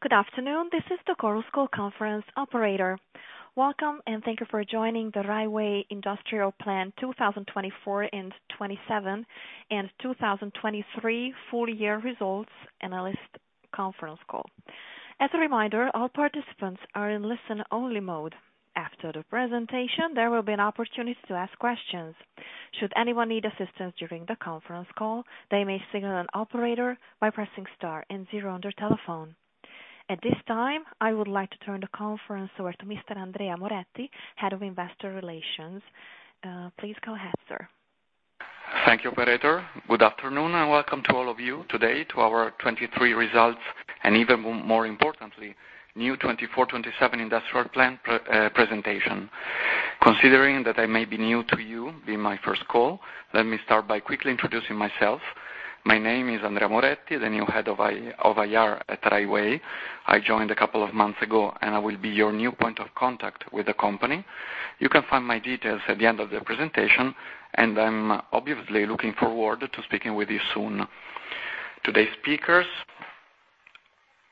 Good afternoon, this is the Chorus Call conference operator. Welcome, and thank you for joining the Rai Way Industrial Plan 2024-2027, and 2023 full year results analyst conference call. As a reminder, all participants are in listen-only mode. After the presentation, there will be an opportunity to ask questions. Should anyone need assistance during the conference call, they may signal an operator by pressing star and zero on their telephone. At this time, I would like to turn the conference over to Mr. Andrea Moretti, Head of Investor Relations. Please go ahead, sir. Thank you, operator. Good afternoon, and welcome to all of you today to our 2023 results, and even more importantly, new 2024-2027 Industrial Plan presentation. Considering that I may be new to you, being my first call, let me start by quickly introducing myself. My name is Andrea Moretti, the new head of IR at Rai Way. I joined a couple of months ago, and I will be your new point of contact with the company. You can find my details at the end of the presentation, and I'm obviously looking forward to speaking with you soon. Today's speakers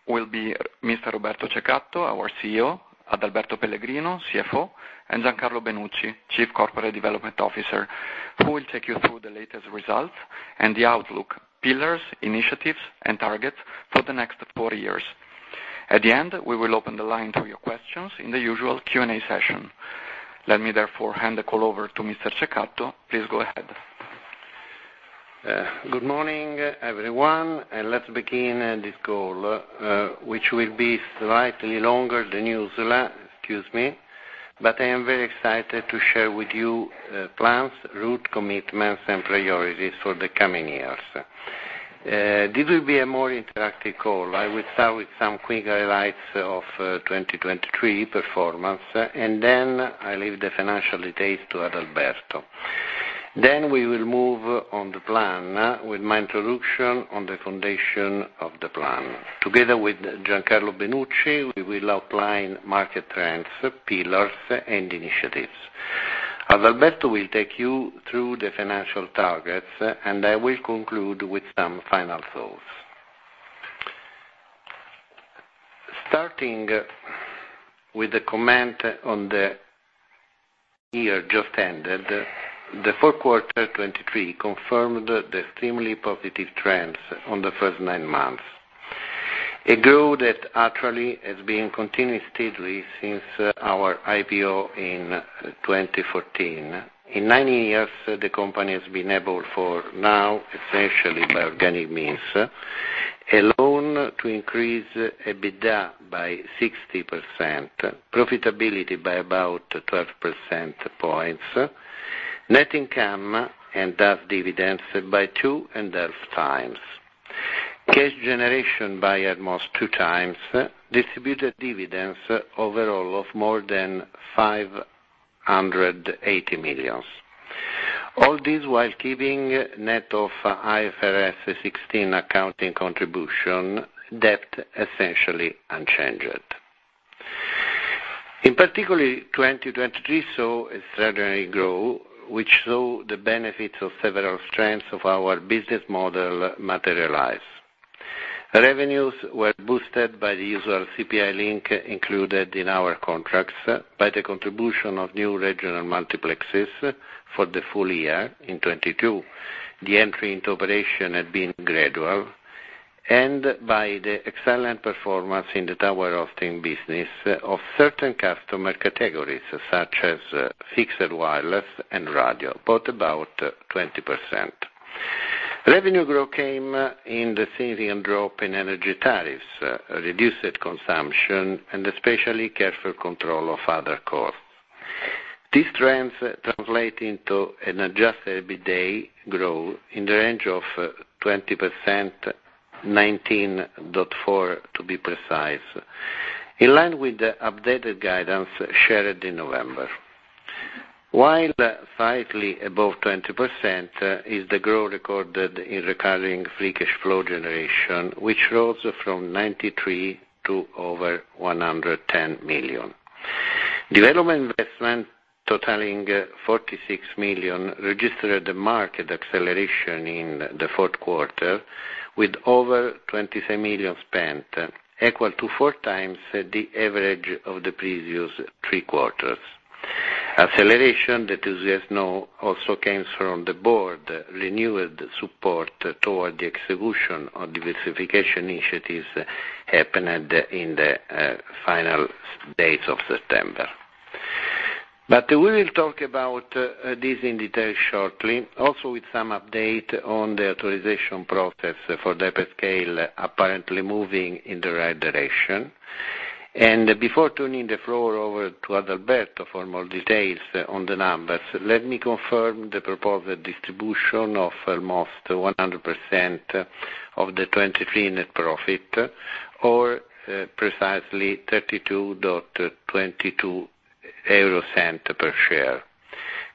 will be Mr. Roberto Ceccato, our CEO, Adalberto Pellegrino, CFO, and Giancarlo Benucci, Chief Corporate Development Officer, who will take you through the latest results and the outlook, pillars, initiatives, and targets for the next four years. At the end, we will open the line to your questions in the usual Q&A session. Let me therefore hand the call over to Mr. Ceccato. Please go ahead. Good morning, everyone, and let's begin this call, which will be slightly longer than usual. Excuse me, but I am very excited to share with you plans, our commitments, and priorities for the coming years. This will be a more interactive call. I will start with some quick highlights of 2023 performance, and then I leave the financial details to Adalberto. Then we will move on the plan with my introduction on the foundation of the plan. Together with Giancarlo Benucci, we will outline market trends, pillars, and initiatives. Adalberto will take you through the financial targets, and I will conclude with some final thoughts. Starting with the comment on the year just ended, the fourth quarter 2023 confirmed the extremely positive trends on the first nine months. A growth that actually has been continuing steadily since our IPO in 2014. In 9 years, the company has been able for now, essentially by organic means, alone to increase EBITDA by 60%, profitability by about 12 percentage points, net income and half dividends by 2.5 times, cash generation by almost 2 times, distributed dividends overall of more than 580 million. All this while keeping net of IFRS 16 accounting contribution, debt essentially unchanged. In particular, 2023 saw extraordinary growth, which saw the benefits of several strengths of our business model materialize. Revenues were boosted by the usual CPI link included in our contracts, by the contribution of new regional multiplexes for the full year in 2022. The entry into operation had been gradual, and by the excellent performance in the tower hosting business of certain customer categories, such as fixed, wireless, and radio, both about 20%. Revenue growth came in steady and drop in energy tariffs, reduced consumption, and especially careful control of other costs. These trends translate into an Adjusted EBITDA growth in the range of 20%, 19.4 to be precise, in line with the updated guidance shared in November. While slightly above 20% is the growth recorded in recurring free cash flow generation, which rose from 93 to over 110 million. Development investment, totaling 46 million, registered a marked acceleration in the fourth quarter, with over 23 million spent, equal to 4 times the average of the previous three quarters. Acceleration that, as you know, also comes from the board, renewed support toward the execution of diversification initiatives happened in the final days of September. But we will talk about this in detail shortly, also with some update on the authorization process for the hyperscale, apparently moving in the right direction. Before turning the floor over to Adalberto for more details on the numbers, let me confirm the proposed distribution of almost 100% of the 2023 net profit, or precisely 0.3222 per share,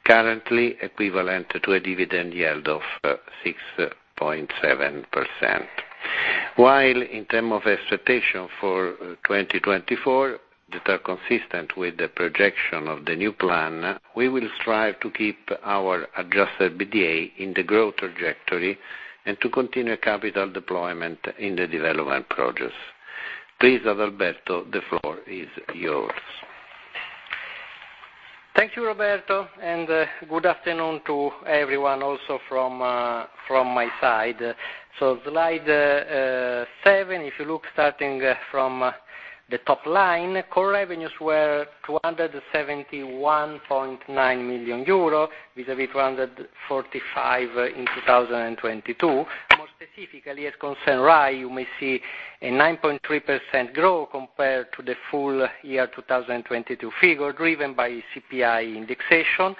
currently equivalent to a dividend yield of 6.7%. While in terms of expectations for 2024 that are consistent with the projection of the new plan, we will strive to keep our Adjusted EBITDA in the growth trajectory and to continue capital deployment in the development projects. Please, Adalberto, the floor is yours. Thank you, Roberto, and, good afternoon to everyone, also from, from my side. So slide, seven, if you look starting from the top line, core revenues were 271.9 million euro, vis-à-vis 245 in 2022. More specifically, as concerned RAI, you may see a 9.3% growth compared to the full year 2022 figure, driven by CPI indexation.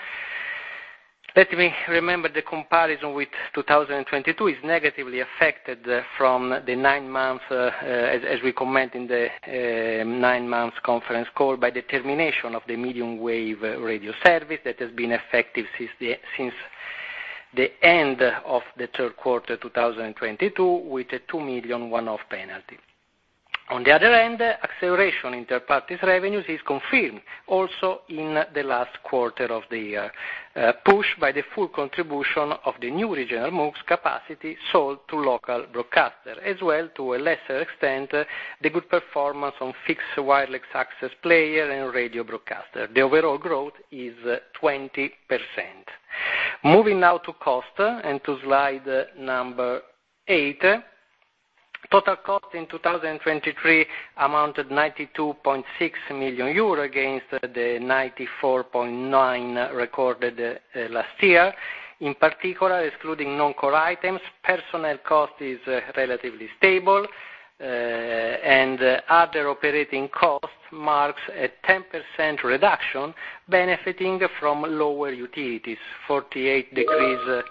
Let me remember, the comparison with 2022 is negatively affected from the nine months, as we comment in the nine months conference call, by the termination of the medium wave radio service that has been effective since the end of the third quarter, 2022, with a 2 million one-off penalty. On the other hand, acceleration in third parties revenues is confirmed also in the last quarter of the year, pushed by the full contribution of the new regional MUX capacity sold to local broadcaster, as well, to a lesser extent, the good performance on fixed wireless access player and radio broadcaster. The overall growth is 20%. Moving now to cost and to slide number 8. Total cost in 2023 amounted 92.6 million euro, against the 94.9 million recorded last year. In particular, excluding non-core items, personnel cost is relatively stable, and other operating costs marks a 10% reduction, benefiting from lower utilities, 48% decrease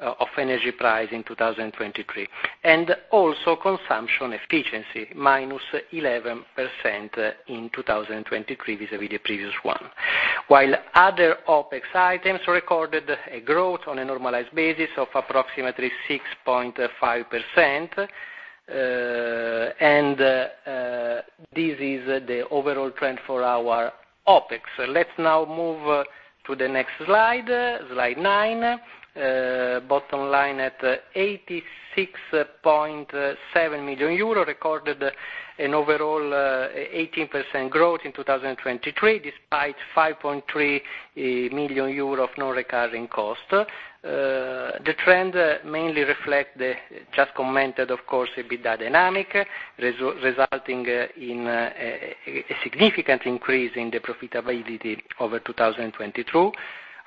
of energy price in 2023, and also consumption efficiency, -11% in 2023, vis-a-vis the previous one. While other OpEx items recorded a growth on a normalized basis of approximately 6.5%, this is the overall trend for our OpEx. Let's now move to the next slide, slide 9. Bottom line at 86.7 million euro, recorded an overall 18% growth in 2023, despite 5.3 million euro of non-recurring costs. The trend mainly reflect the just commented, of course, EBITDA dynamic, resulting in a significant increase in the profitability over 2022,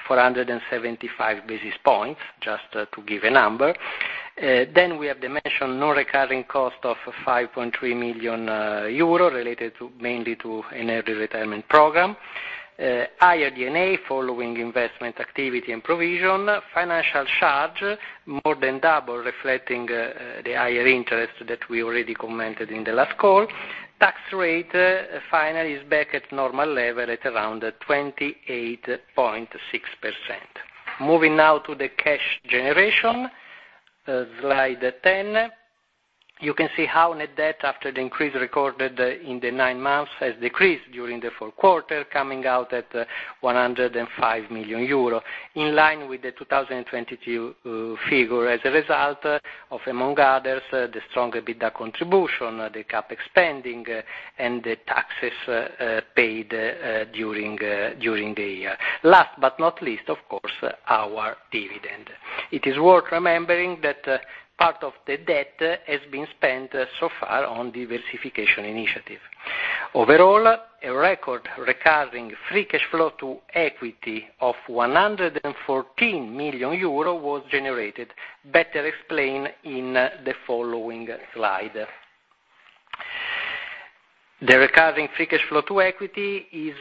475 basis points, just to give a number. Then we have the non-recurring costs of 5.3 million euro, related mainly to an early retirement program. Higher EBITDA, following investment activity and provisions, financial charges more than double, reflecting the higher interest that we already commented in the last call. Tax rate, finally, is back at normal level, at around 28.6%. Moving now to the cash generation, slide 10. You can see how net debt, after the increase recorded in the nine months, has decreased during the fourth quarter, coming out at 105 million euro, in line with the 2022 figure, as a result of, among others, the strong EBITDA contribution, the CapEx spending, and the taxes paid during the year. Last but not least, of course, our dividend. It is worth remembering that part of the debt has been spent so far on diversification initiative. Overall, a record recurring free cash flow to equity of 114 million euro was generated, better explained in the following slide. The recurring free cash flow to equity is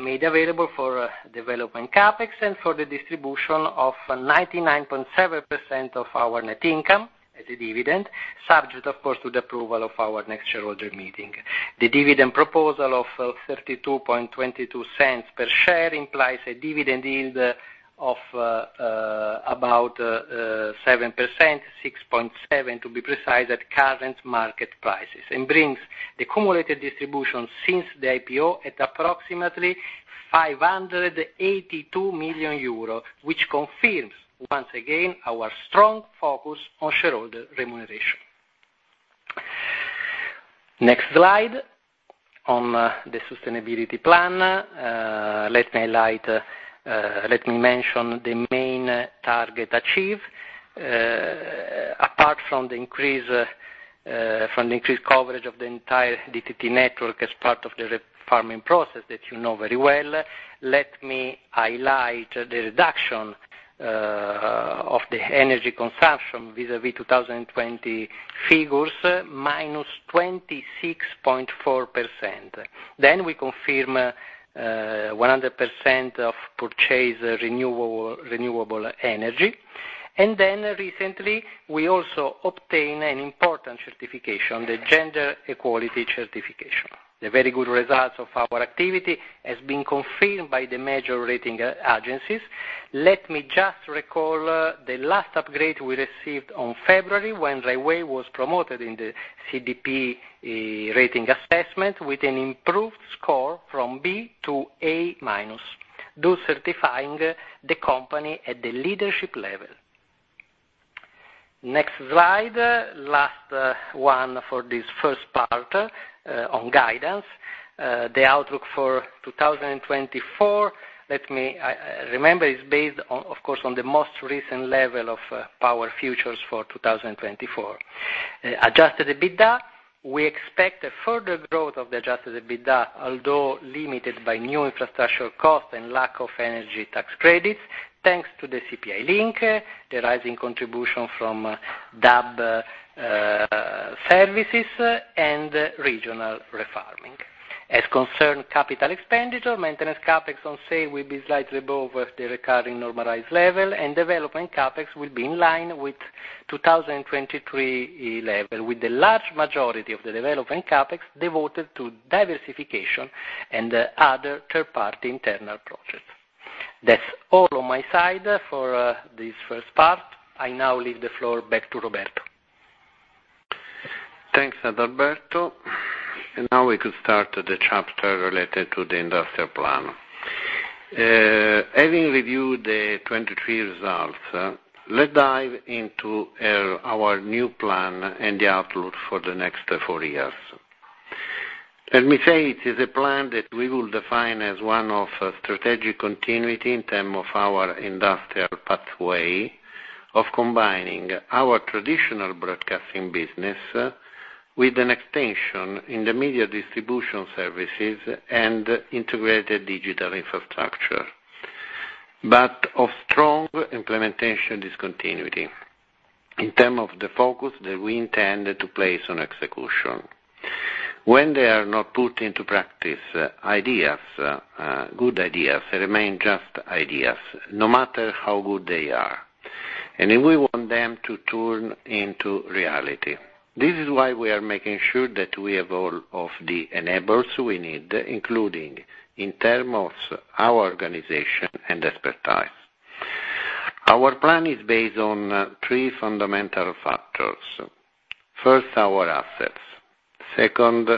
made available for development CapEx and for the distribution of 99.7% of our net income as a dividend, subject, of course, to the approval of our next shareholder meeting. The dividend proposal of 0.3222 per share implies a dividend yield of about 7%, 6.7%, to be precise, at current market prices, and brings the cumulative distribution since the IPO at approximately 582 million euro, which confirms once again, our strong focus on shareholder remuneration. Next slide on the sustainability plan. Let me highlight. Let me mention the main target achieved. Apart from the increase from the increased coverage of the entire DTT network as part of the refarming process that you know very well, let me highlight the reduction of the energy consumption vis-à-vis 2020 figures, -26.4%. Then we confirm 100% of purchase renewable, renewable energy. And then recently, we also obtained an important certification, the Gender Equality certification. The very good results of our activity has been confirmed by the major rating agencies. Let me just recall the last upgrade we received on February, when Rai Way was promoted in the CDP rating assessment with an improved score from B to A-, thus certifying the company at the leadership level. Next slide, last one for this first part, on guidance. The outlook for 2024, let me remember, is based on, of course, on the most recent level of power futures for 2024. Adjusted EBITDA, we expect a further growth of the Adjusted EBITDA, although limited by new infrastructural costs and lack of energy tax credits, thanks to the CPI link, the rising contribution from DAB services, and regional refarming. As concerns capital expenditure, maintenance CapEx on sale will be slightly above the recurring normalized level, and development CapEx will be in line with 2023 level, with the large majority of the development CapEx devoted to diversification and other third-party internal projects. That's all on my side for this first part. I now leave the floor back to Roberto. Thanks, Adalberto. And now we could start the chapter related to the industrial plan. Having reviewed the 23 results, let's dive into our new plan and the outlook for the next four years. Let me say it is a plan that we will define as one of strategic continuity in term of our industrial pathway, of combining our traditional broadcasting business with an extension in the media distribution services and integrated digital infrastructure, but of strong implementation discontinuity in term of the focus that we intend to place on execution. When they are not put into practice, ideas, good ideas remain just ideas, no matter how good they are, and we want them to turn into reality. This is why we are making sure that we have all of the enablers we need, including in term of our organization and expertise. Our plan is based on three fundamental factors. First, our assets. Second,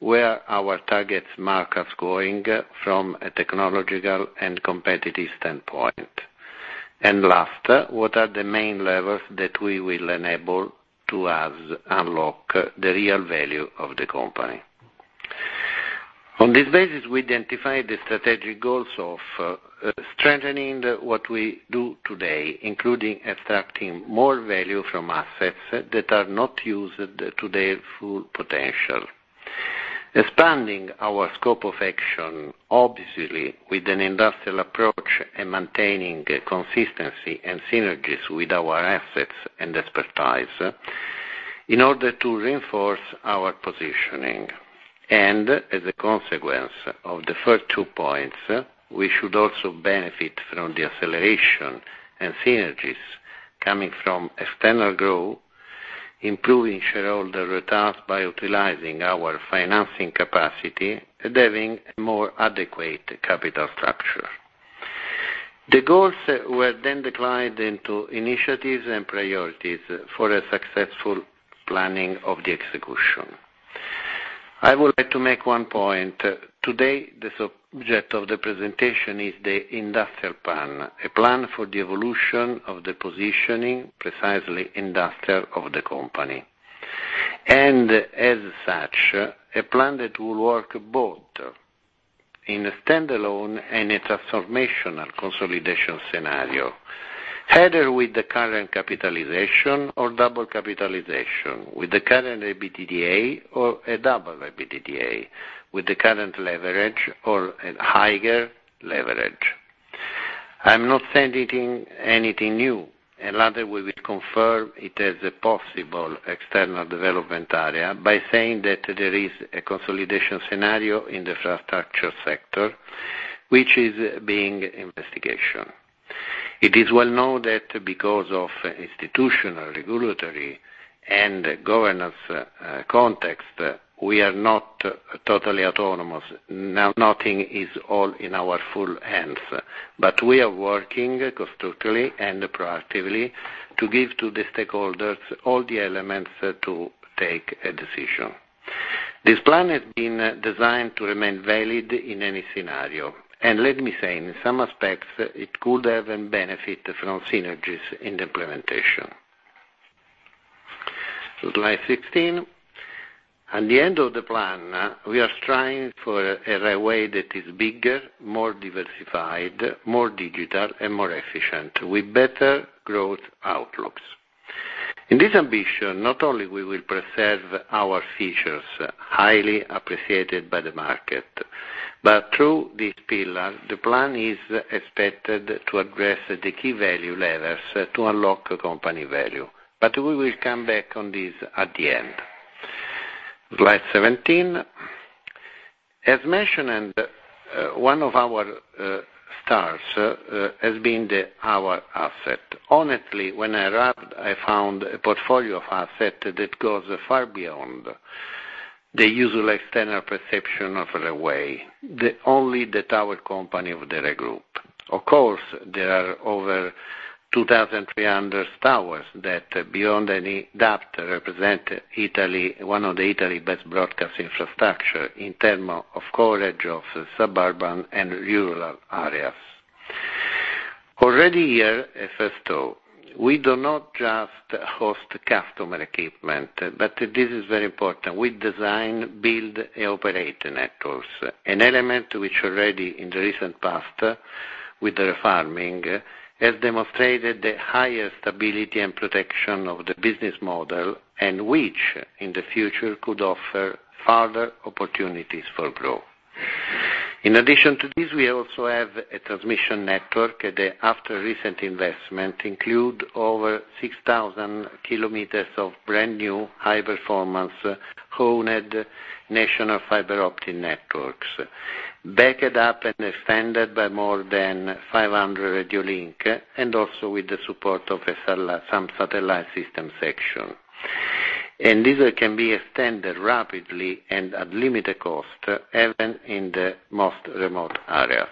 where our targets markets going from a technological and competitive standpoint. And last, what are the main levels that we will enable to us unlock the real value of the company? On this basis, we identify the strategic goals of strengthening what we do today, including extracting more value from assets that are not used to their full potential. Expanding our scope of action, obviously, with an industrial approach and maintaining consistency and synergies with our assets and expertise in order to reinforce our positioning. And as a consequence of the first two points, we should also benefit from the acceleration and synergies coming from external growth, improving shareholder returns by utilizing our financing capacity, having more adequate capital structure. The goals were then declined into initiatives and priorities for a successful planning of the execution. I would like to make one point. Today, the subject of the presentation is the industrial plan, a plan for the evolution of the positioning, precisely industrial, of the company. And as such, a plan that will work both in a standalone and a transformational consolidation scenario, either with the current capitalization or double capitalization, with the current EBITDA or a double EBITDA, with the current leverage or a higher leverage. I'm not saying anything, anything new. Another way we confirm it as a possible external development area by saying that there is a consolidation scenario in the infrastructure sector, which is being investigated. It is well known that because of institutional, regulatory, and governance context, we are not totally autonomous. Now, nothing is all in our full hands, but we are working constructively and proactively to give to the stakeholders all the elements to take a decision. This plan has been designed to remain valid in any scenario, and let me say, in some aspects, it could even benefit from synergies in the implementation. Slide 16. At the end of the plan, we are striving for a Rai Way that is bigger, more diversified, more digital, and more efficient, with better growth outlooks. In this ambition, not only we will preserve our features, highly appreciated by the market, but through this pillar, the plan is expected to address the key value levers to unlock company value. But we will come back on this at the end. Slide 17. As mentioned, and one of our starts has been our asset. Honestly, when I arrived, I found a portfolio of asset that goes far beyond the usual external perception of Rai Way, the only tower company of the group. Of course, there are over 2,300 towers that, beyond any doubt, represent one of Italy's best broadcast infrastructure in terms of coverage of suburban and rural areas. Already here, first of all, we do not just host customer equipment, but this is very important. We design, build, and operate networks, an element which already in the recent past with the refarming, has demonstrated the highest stability and protection of the business model, and which, in the future, could offer further opportunities for growth. In addition to this, we also have a transmission network, that after recent investment, includes over 6,000 kilometers of brand new, high performance, owned national fiber optic networks, backed up and extended by more than 500 radio links, and also with the support of some satellite system section. This can be extended rapidly and at limited cost, even in the most remote areas.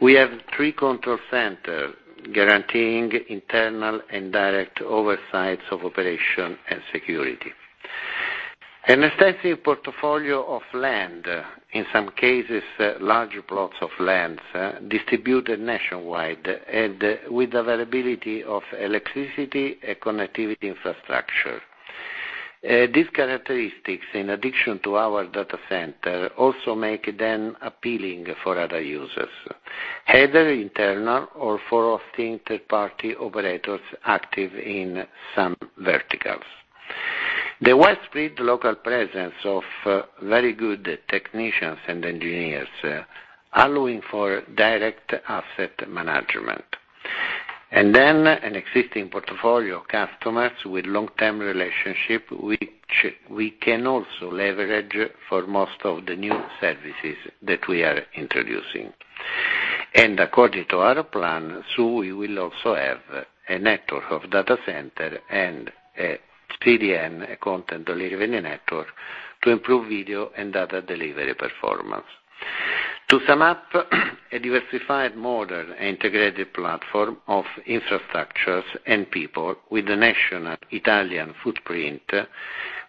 We have three control centers, guaranteeing internal and direct oversight of operations and security. An extensive portfolio of land, in some cases, large plots of land, distributed nationwide, and with availability of electricity and connectivity infrastructure. These characteristics, in addition to our data center, also make them appealing for other users, either internal or for hosting third-party operators active in some verticals. The widespread local presence of very good technicians and engineers, allowing for direct asset management. And then an existing portfolio of customers with long-term relationships, which we can also leverage for most of the new services that we are introducing. And according to our plan, so we will also have a network of data centers and a CDN, a content delivery network, to improve video and data delivery performance. To sum up, a diversified, modern, integrated platform of infrastructures and people with a national Italian footprint,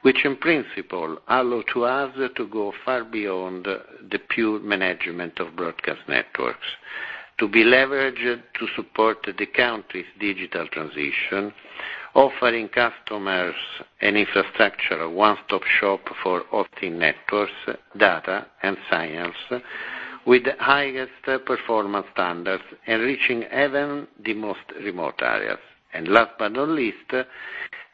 which in principle, allow to us to go far beyond the pure management of broadcast networks, to be leveraged to support the country's digital transition, offering customers an infrastructure, a one-stop shop for hosting networks, data and services, with the highest performance standards and reaching even the most remote areas. Last but not least,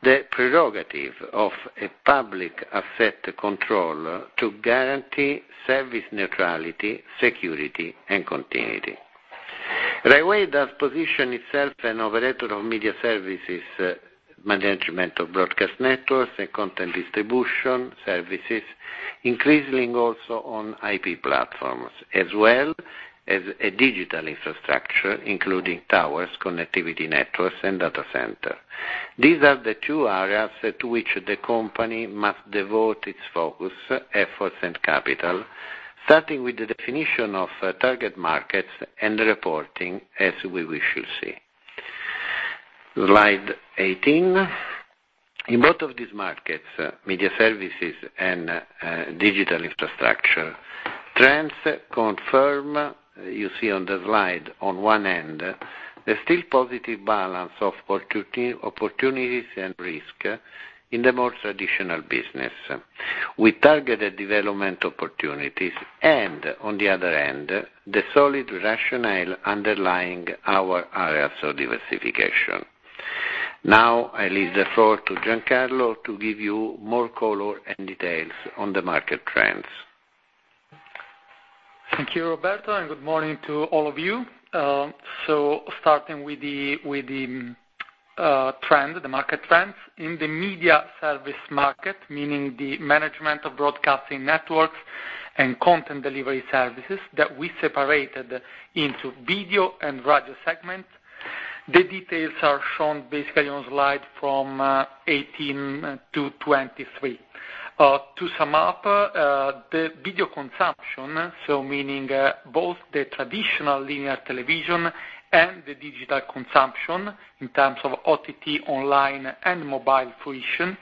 the prerogative of a public asset control to guarantee service neutrality, security, and continuity. Rai Way, that position itself an operator of media services, management of broadcast networks and content distribution services, increasingly also on IP platforms, as well as a digital infrastructure, including towers, connectivity networks, and data center. These are the two areas to which the company must devote its focus, efforts, and capital, starting with the definition of target markets and the reporting as we wish to see. Slide 18. In both of these markets, media services and digital infrastructure, trends confirm, you see on the slide, on one end, the still positive balance of opportunities and risk in the more traditional business. We targeted development opportunities, and on the other end, the solid rationale underlying our areas of diversification. Now, I leave the floor to Giancarlo to give you more color and details on the market trends. Thank you, Roberto, and good morning to all of you. So starting with the trend, the market trends. In the media service market, meaning the management of broadcasting networks and content delivery services that we separated into video and radio segments, the details are shown basically on slides 18-23. To sum up, the video consumption, so meaning both the traditional linear television and the digital consumption in terms of OTT, online, and mobile TV,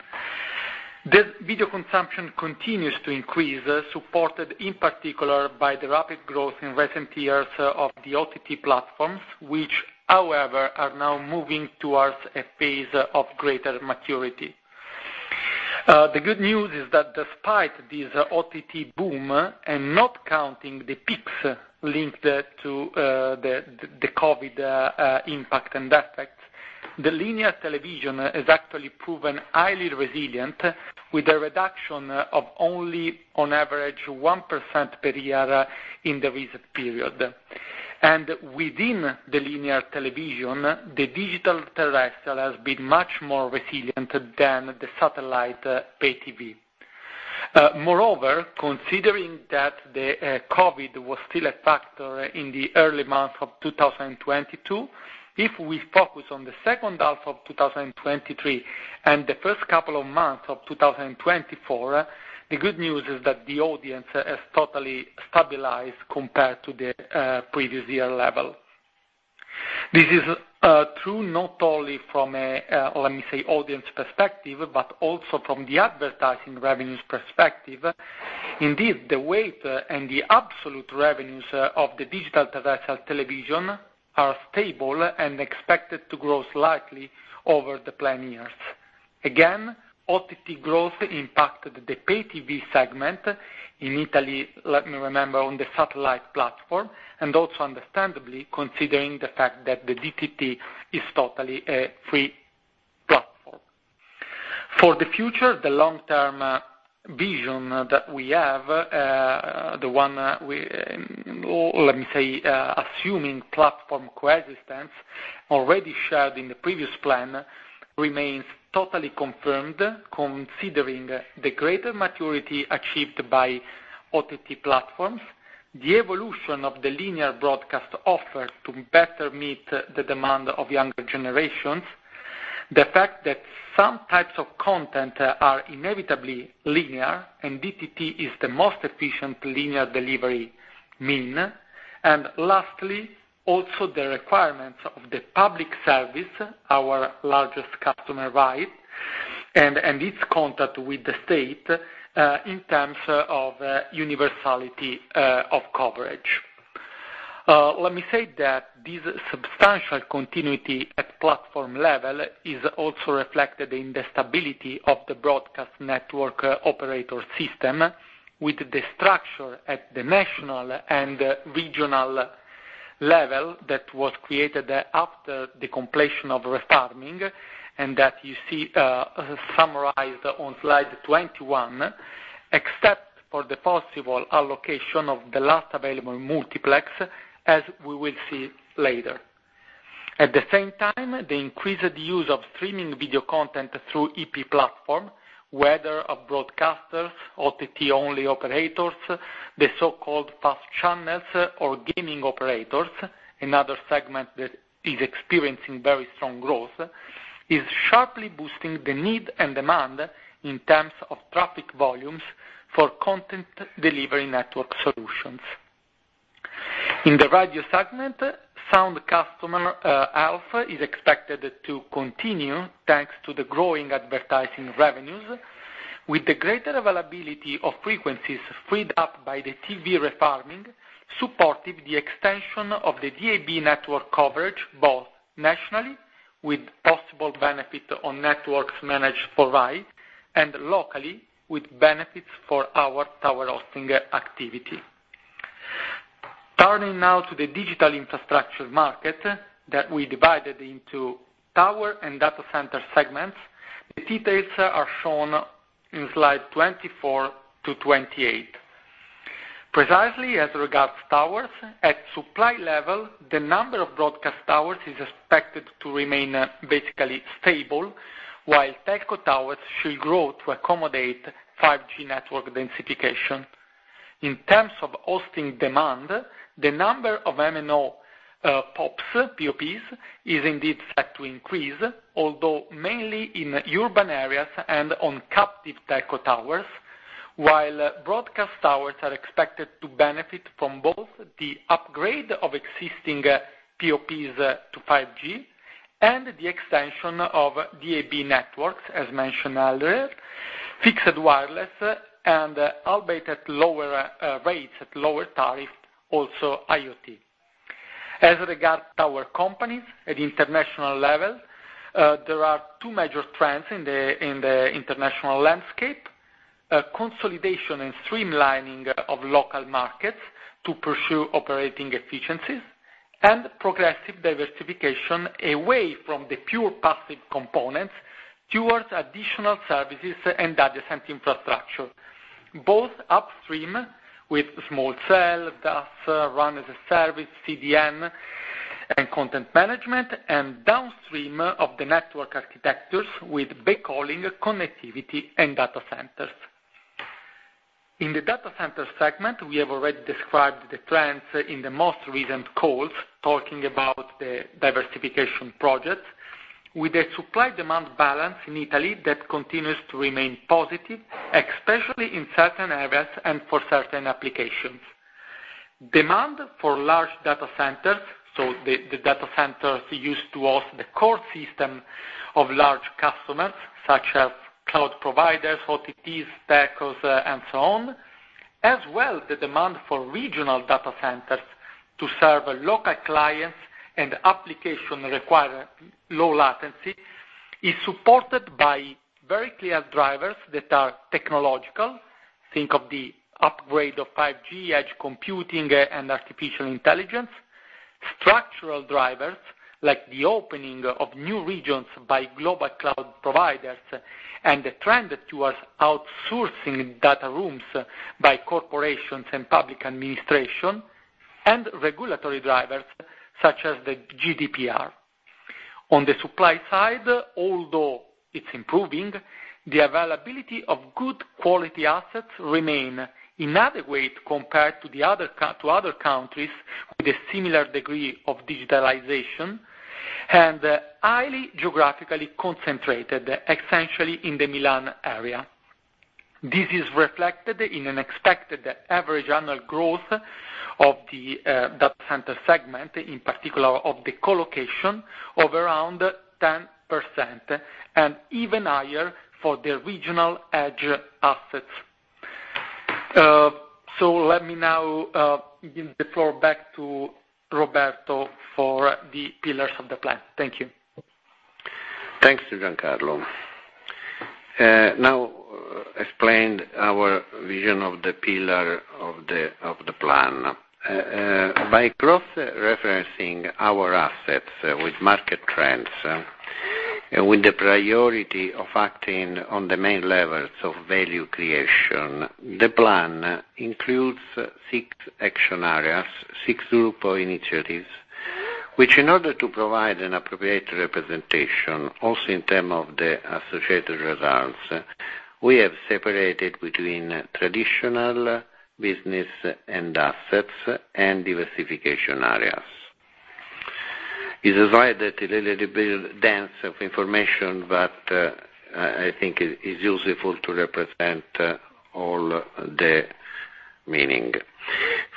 the video consumption continues to increase, supported in particular by the rapid growth in recent years of the OTT platforms, which, however, are now moving towards a phase of greater maturity. The good news is that despite this OTT boom, and not counting the peaks linked to the COVID impact and effect, the linear television has actually proven highly resilient, with a reduction of only on average 1% per year in the recent period. And within the linear television, the digital terrestrial has been much more resilient than the satellite pay TV. Moreover, considering that the COVID was still a factor in the early months of 2022, if we focus on the second half of 2023 and the first couple of months of 2024, the good news is that the audience has totally stabilized compared to the previous year level. This is true not only from a, let me say, audience perspective, but also from the advertising revenues perspective. Indeed, the weight and the absolute revenues of the digital terrestrial television are stable and expected to grow slightly over the plan years. Again, OTT growth impacted the pay TV segment in Italy, let me remember, on the satellite platform, and also understandably, considering the fact that the DTT is totally a free platform. For the future, the long-term vision that we have, the one, or let me say, assuming platform coexistence already shared in the previous plan, remains totally confirmed, considering the greater maturity achieved by OTT platforms, the evolution of the linear broadcast offer to better meet the demand of younger generations, the fact that some types of content are inevitably linear, and DTT is the most efficient linear delivery mean. Lastly, also the requirements of the public service, our largest customer, right, and its contact with the state, in terms of, universality, of coverage. Let me say that this substantial continuity at platform level is also reflected in the stability of the broadcast network operator system, with the structure at the national and regional level that was created after the completion of refarming, and that you see, summarized on slide 21, except for the possible allocation of the last available multiplex, as we will see later. At the same time, the increased use of streaming video content through OTT platform, whether of broadcasters, OTT-only operators, the so-called FAST channels or gaming operators, another segment that is experiencing very strong growth, is sharply boosting the need and demand in terms of traffic volumes for content delivery network solutions. In the radio segment, sound customer health is expected to continue, thanks to the growing advertising revenues, with the greater availability of frequencies freed up by the TV refarming, supported the extension of the DAB network coverage, both nationally, with possible benefit on networks managed for RAI, and locally, with benefits for our tower hosting activity. Turning now to the digital infrastructure market, that we divided into tower and data center segments. The details are shown in slide 24-28. Precisely as regards towers, at supply level, the number of broadcast towers is expected to remain basically stable, while telco towers should grow to accommodate 5G network densification. In terms of hosting demand, the number of MNO POPs is indeed set to increase, although mainly in urban areas and on captive telco towers, while broadcast towers are expected to benefit from both the upgrade of existing POPs to 5G and the extension of DAB networks, as mentioned earlier, fixed wireless and albeit at lower rates, at lower tariffs, also IoT. As regards tower companies at international level, there are two major trends in the international landscape: consolidation and streamlining of local markets to pursue operating efficiencies, and progressive diversification away from the pure passive components towards additional services and adjacent infrastructure, both upstream, with small cell, DAS, run as a service, CDN and content management, and downstream of the network architectures with backhauling, connectivity and data centers. In the data center segment, we have already described the trends in the most recent calls, talking about the diversification project, with a supply-demand balance in Italy that continues to remain positive, especially in certain areas and for certain applications. Demand for large data centers, so the data centers used to host the core system of large customers, such as cloud providers, OTTs, techos, and so on, as well the demand for regional data centers to serve local clients and application require low latency, is supported by very clear drivers that are technological, think of the upgrade of 5G, edge computing and artificial intelligence. Structural drivers, like the opening of new regions by global cloud providers and the trend towards outsourcing data rooms by corporations and public administration, and regulatory drivers such as the GDPR.... On the supply side, although it's improving, the availability of good quality assets remain inadequate compared to the other to other countries with a similar degree of digitalization, and highly geographically concentrated, essentially in the Milan area. This is reflected in an expected average annual growth of the, data center segment, in particular of the colocation, of around 10%, and even higher for the regional edge assets. So let me now, give the floor back to Roberto for the pillars of the plan. Thank you. Thanks, Giancarlo. Now explain our vision of the pillar of the plan. By cross-referencing our assets with market trends, with the priority of acting on the main levels of value creation, the plan includes six action areas, six group of initiatives, which in order to provide an appropriate representation, also in terms of the associated results, we have separated between traditional business and assets and diversification areas. It is right that a little bit dense of information, but, I think it is useful to represent, all the meaning.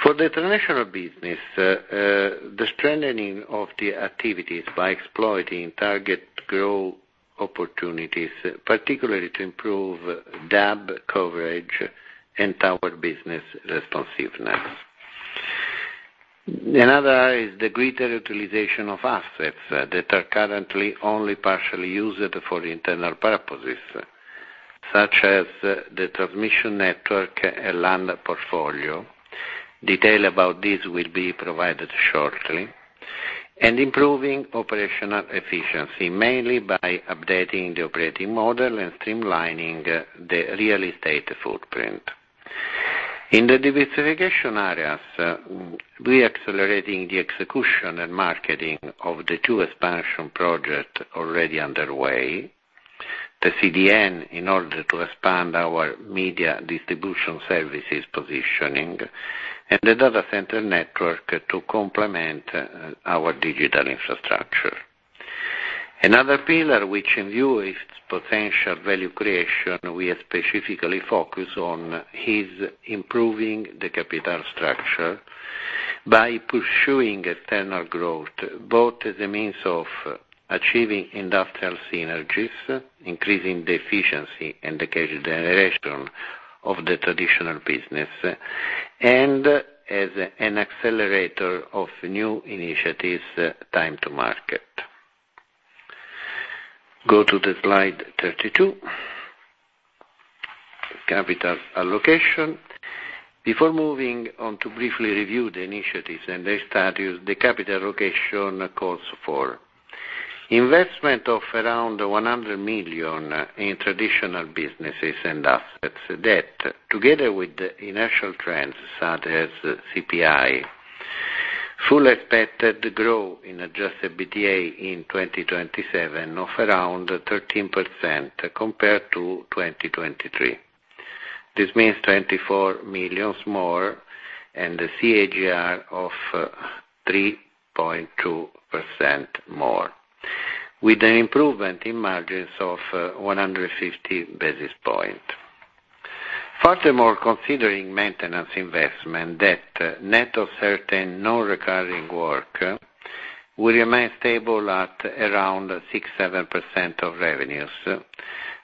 For the traditional business, the strengthening of the activities by exploiting target growth opportunities, particularly to improve DAB coverage and tower business responsiveness. Another is the greater utilization of assets that are currently only partially used for internal purposes, such as the transmission network and land portfolio. Detail about this will be provided shortly. Improving operational efficiency, mainly by updating the operating model and streamlining the real estate footprint. In the diversification areas, we accelerating the execution and marketing of the two expansion project already underway. The CDN, in order to expand our media distribution services positioning, and the data center network to complement, our digital infrastructure. Another pillar which in view its potential value creation, we are specifically focused on, is improving the capital structure by pursuing external growth, both as a means of achieving industrial synergies, increasing the efficiency and the cash generation of the traditional business, and as an accelerator of new initiatives time to market. Go to the slide 32. Capital allocation. Before moving on to briefly review the initiatives and their status, the capital allocation calls for investment of around 100 million in traditional businesses and assets debt, together with the initial trends, such as CPI, full expected growth in Adjusted EBITDA in 2027 of around 13% compared to 2023. This means 24 million more, and the CAGR of 3.2% more, with an improvement in margins of 150 basis points. Furthermore, considering maintenance investment, debt net of certain non-recurring work will remain stable at around 6-7% of revenues.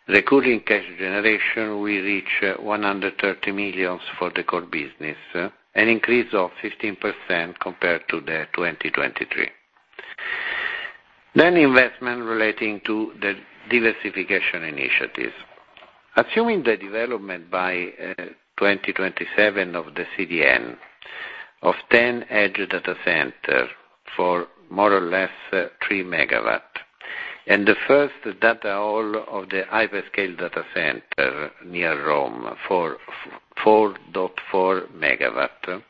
Recurring cash generation will reach 130 million for the core business, an increase of 15% compared to 2023. Then investment relating to the diversification initiatives. Assuming the development by 2027 of the CDN of 10 edge data centers for more or less 3 MW, and the first data hall of the hyperscale data center near Rome for 4.4 MW, this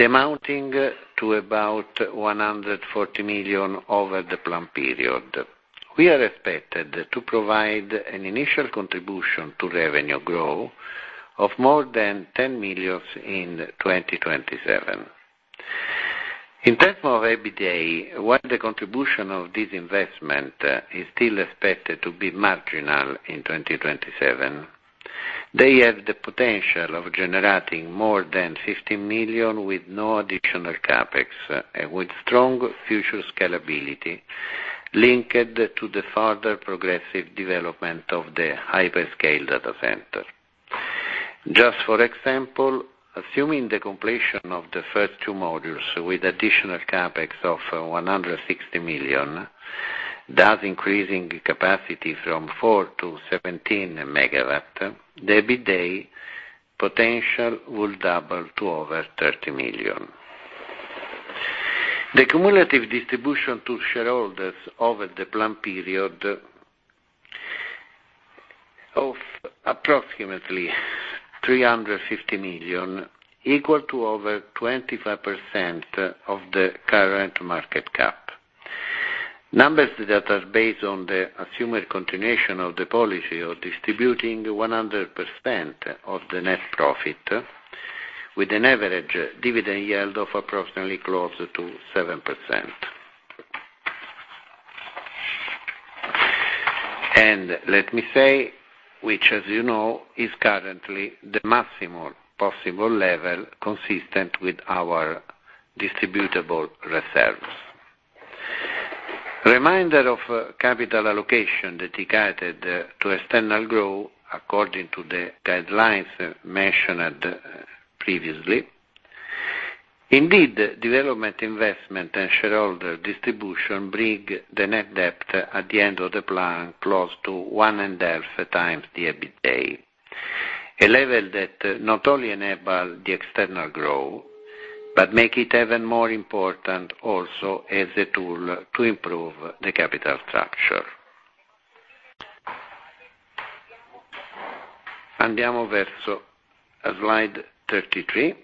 amounting to about 140 million over the plan period. We are expected to provide an initial contribution to revenue growth of more than 10 million in 2027. In terms of EBITDA, while the contribution of this investment is still expected to be marginal in 2027, they have the potential of generating more than 50 million with no additional CapEx, with strong future scalability linked to the further progressive development of the hyperscale data center. Just for example, assuming the completion of the first two modules with additional CapEx of 160 million, thus increasing capacity from 4 to 17 MW, the EBITDA potential will double to over 30 million. The cumulative distribution to shareholders over the plan period of approximately 350 million, equal to over 25% of the current market cap. Numbers that are based on the assumed continuation of the policy of distributing 100% of the net profit, with an average dividend yield of approximately close to 7%. And let me say, which, as you know, is currently the maximum possible level consistent with our distributable reserves. Reminder of capital allocation dedicated to external growth, according to the guidelines mentioned previously. Indeed, development, investment, and shareholder distribution bring the net debt at the end of the plan close to 1.5 times the EBITDA. A level that not only enable the external growth, but make it even more important also as a tool to improve the capital structure. Andiamo verso slide 33.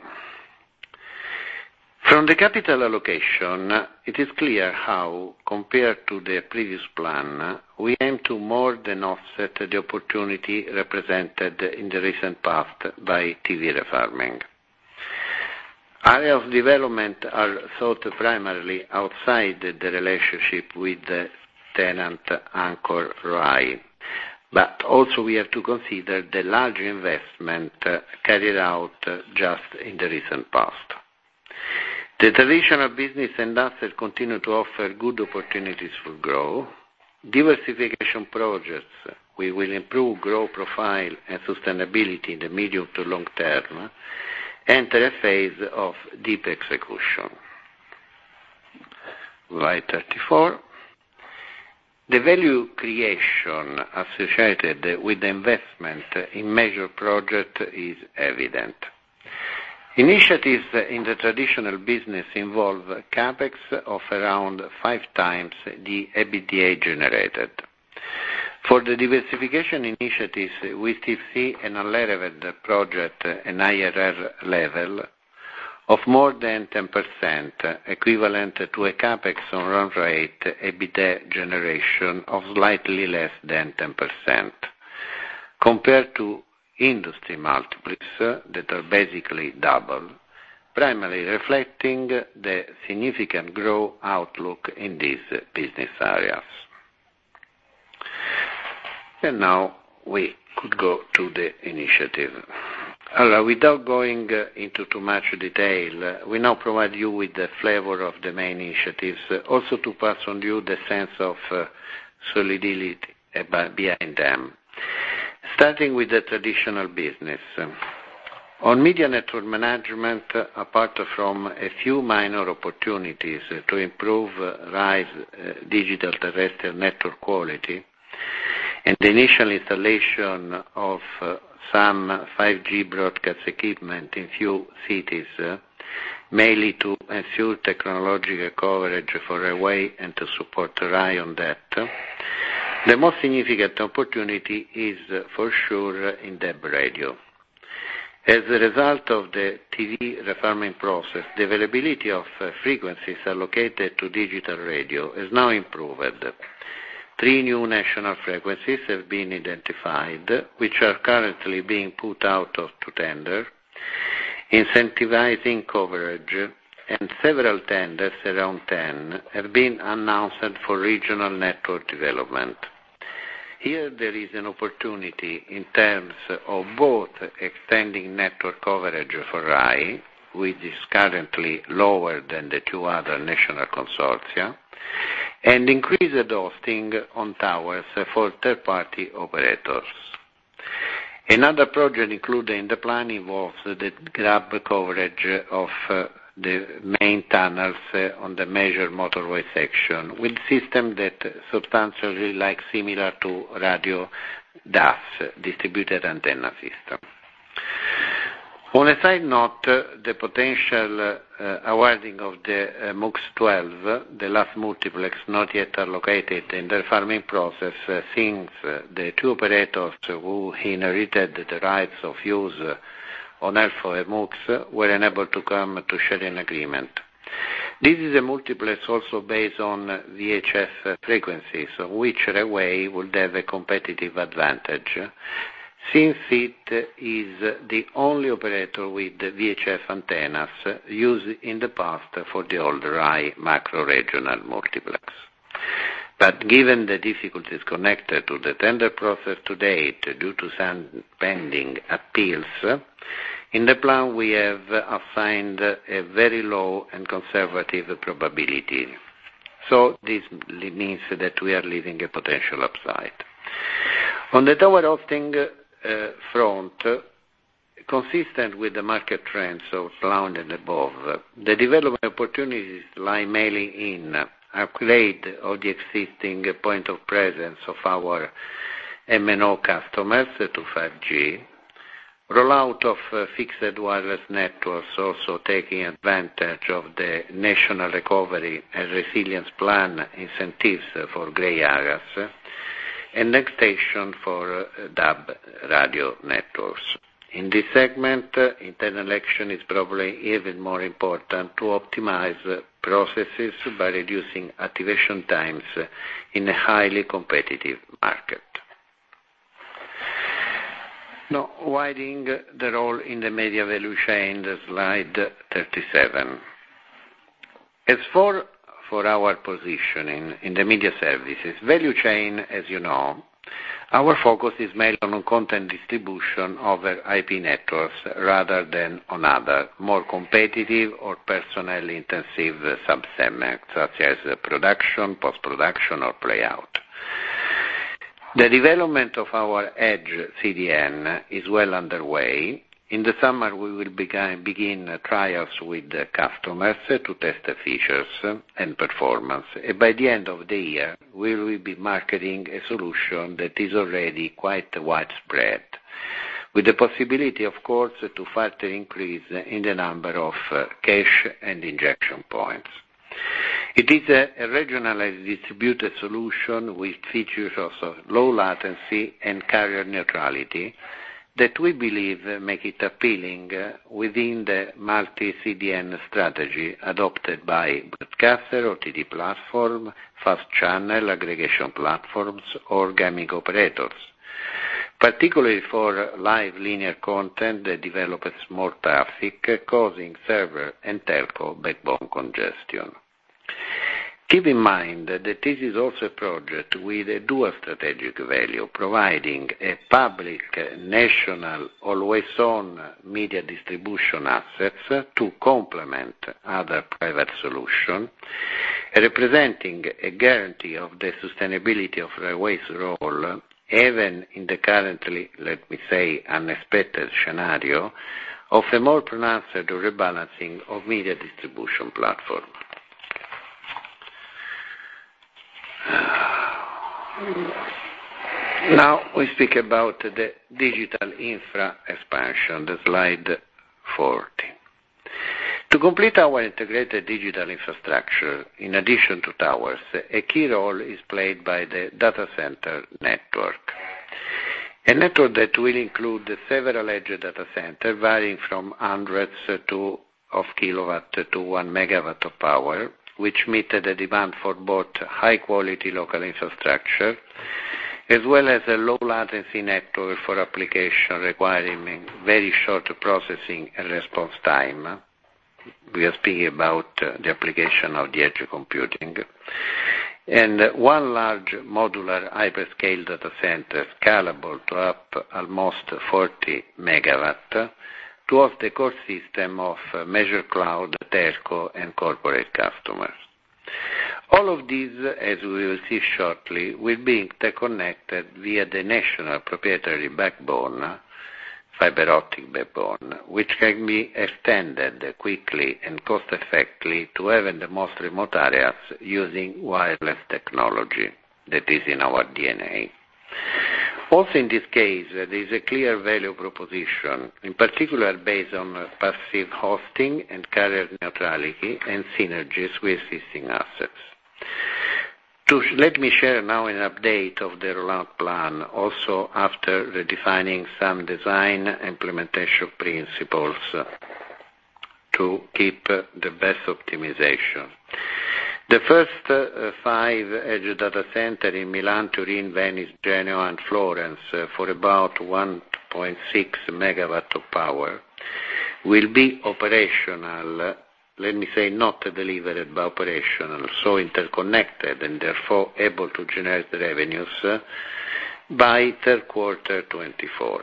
From the capital allocation, it is clear how, compared to the previous plan, we aim to more than offset the opportunity represented in the recent past by TV refarming. Area of development are sought primarily outside the relationship with the tenant anchor RAI, but also we have to consider the large investment carried out just in the recent past. The traditional business and assets continue to offer good opportunities for growth. Diversification projects, we will improve growth profile and sustainability in the medium to long term, enter a phase of deep execution. Slide 34. The value creation associated with the investment in major project is evident. Initiatives in the traditional business involve CapEx of around 5 times the EBITDA generated. For the diversification initiatives, we still see an unlevered project, an IRR level of more than 10%, equivalent to a CapEx on run rate, EBITDA generation of slightly less than 10%, compared to industry multiples that are basically double, primarily reflecting the significant growth outlook in these business areas. Now we could go to the initiative. Without going into too much detail, we now provide you with the flavor of the main initiatives, also to pass on you the sense of, solidity behind them. Starting with the traditional business. On media network management, apart from a few minor opportunities to improve RAI's digital terrestrial network quality and the initial installation of some 5G broadcast equipment in few cities, mainly to ensure technological coverage for RAI and to support RAI on that, the most significant opportunity is for sure in DAB radio. As a result of the TV refarming process, the availability of frequencies allocated to digital radio has now improved. Three new national frequencies have been identified, which are currently being put out to tender, incentivizing coverage, and several tenders, around 10, have been announced for regional network development. Here, there is an opportunity in terms of both extending network coverage for RAI, which is currently lower than the two other national consortia, and increased hosting on towers for third-party operators. Another project included in the plan involves the broad coverage of the main tunnels on the major motorway section, with a system that is substantially similar to radio DAS, distributed antenna system. On a side note, the potential awarding of the Mux 1/2, the last multiplex not yet allocated in the Refarming process, since the two operators who inherited the rights of use on L4 MUX were unable to come to an agreement. This is a multiplex also based on VHF frequencies, which RAI would have a competitive advantage, since it is the only operator with VHF antennas used in the past for the older RAI macro regional multiplex. But given the difficulties connected to the tender process to date, due to some pending appeals, in the plan, we have assigned a very low and conservative probability. So this means that we are leaving a potential upside. On the tower hosting front, consistent with the market trends of last and above, the development opportunities lie mainly in upgrade of the existing point of presence of our MNO customers to 5G, rollout of fixed wireless networks, also taking advantage of the National Recovery and Resilience Plan incentives for gray areas, and next station for DAB radio networks. In this segment, internal action is probably even more important to optimize processes by reducing activation times in a highly competitive market. Now, widening the role in the media value chain, the slide 37. As for, for our positioning in the media services value chain, as you know, our focus is made on content distribution over IP networks rather than on other more competitive or personnel-intensive sub-segment, such as production, post-production, or playout. The development of our Edge CDN is well underway. In the summer, we will begin trials with the customers to test the features and performance. By the end of the year, we will be marketing a solution that is already quite widespread, with the possibility, of course, to further increase in the number of cache and injection points. It is a regionalized distributed solution, which features also low latency and carrier neutrality, that we believe make it appealing within the multi-CDN strategy adopted by broadcaster, OTT platform, fast channel, aggregation platforms, or gaming operators, particularly for live linear content that develops more traffic, causing server and telco backbone congestion. Keep in mind that this is also a project with a dual strategic value, providing a public, national, always-on media distribution assets to complement other private solution, representing a guarantee of the sustainability of Rai Way's role, even in the currently, let me say, unexpected scenario, of a more pronounced rebalancing of media distribution platform. Now, we speak about the digital infra expansion, the slide 40. To complete our integrated digital infrastructure, in addition to towers, a key role is played by the data center network. A network that will include several edge data center, varying from hundreds to of kilowatt to 1 megawatt of power, which meet the demand for both high quality local infrastructure, as well as a low latency network for application requiring very short processing and response time. We are speaking about the application of the edge computing. One large modular hyperscale data center, scalable up to almost 40 MW, towards the core system of major cloud, telco, and corporate customers. All of these, as we will see shortly, will be interconnected via the national proprietary backbone, fiber optic backbone, which can be extended quickly and cost-effectively to even the most remote areas using wireless technology that is in our DNA. Also, in this case, there is a clear value proposition, in particular based on passive hosting and carrier neutrality and synergies with existing assets. To let me share now an update of the rollout plan, also after redefining some design implementation principles to keep the best optimization. The first five edge data centers in Milan, Turin, Venice, Genoa, and Florence, for about 1.6 MW of power, will be operational, let me say, not delivered, but operational, so interconnected, and therefore able to generate revenues by third quarter 2024.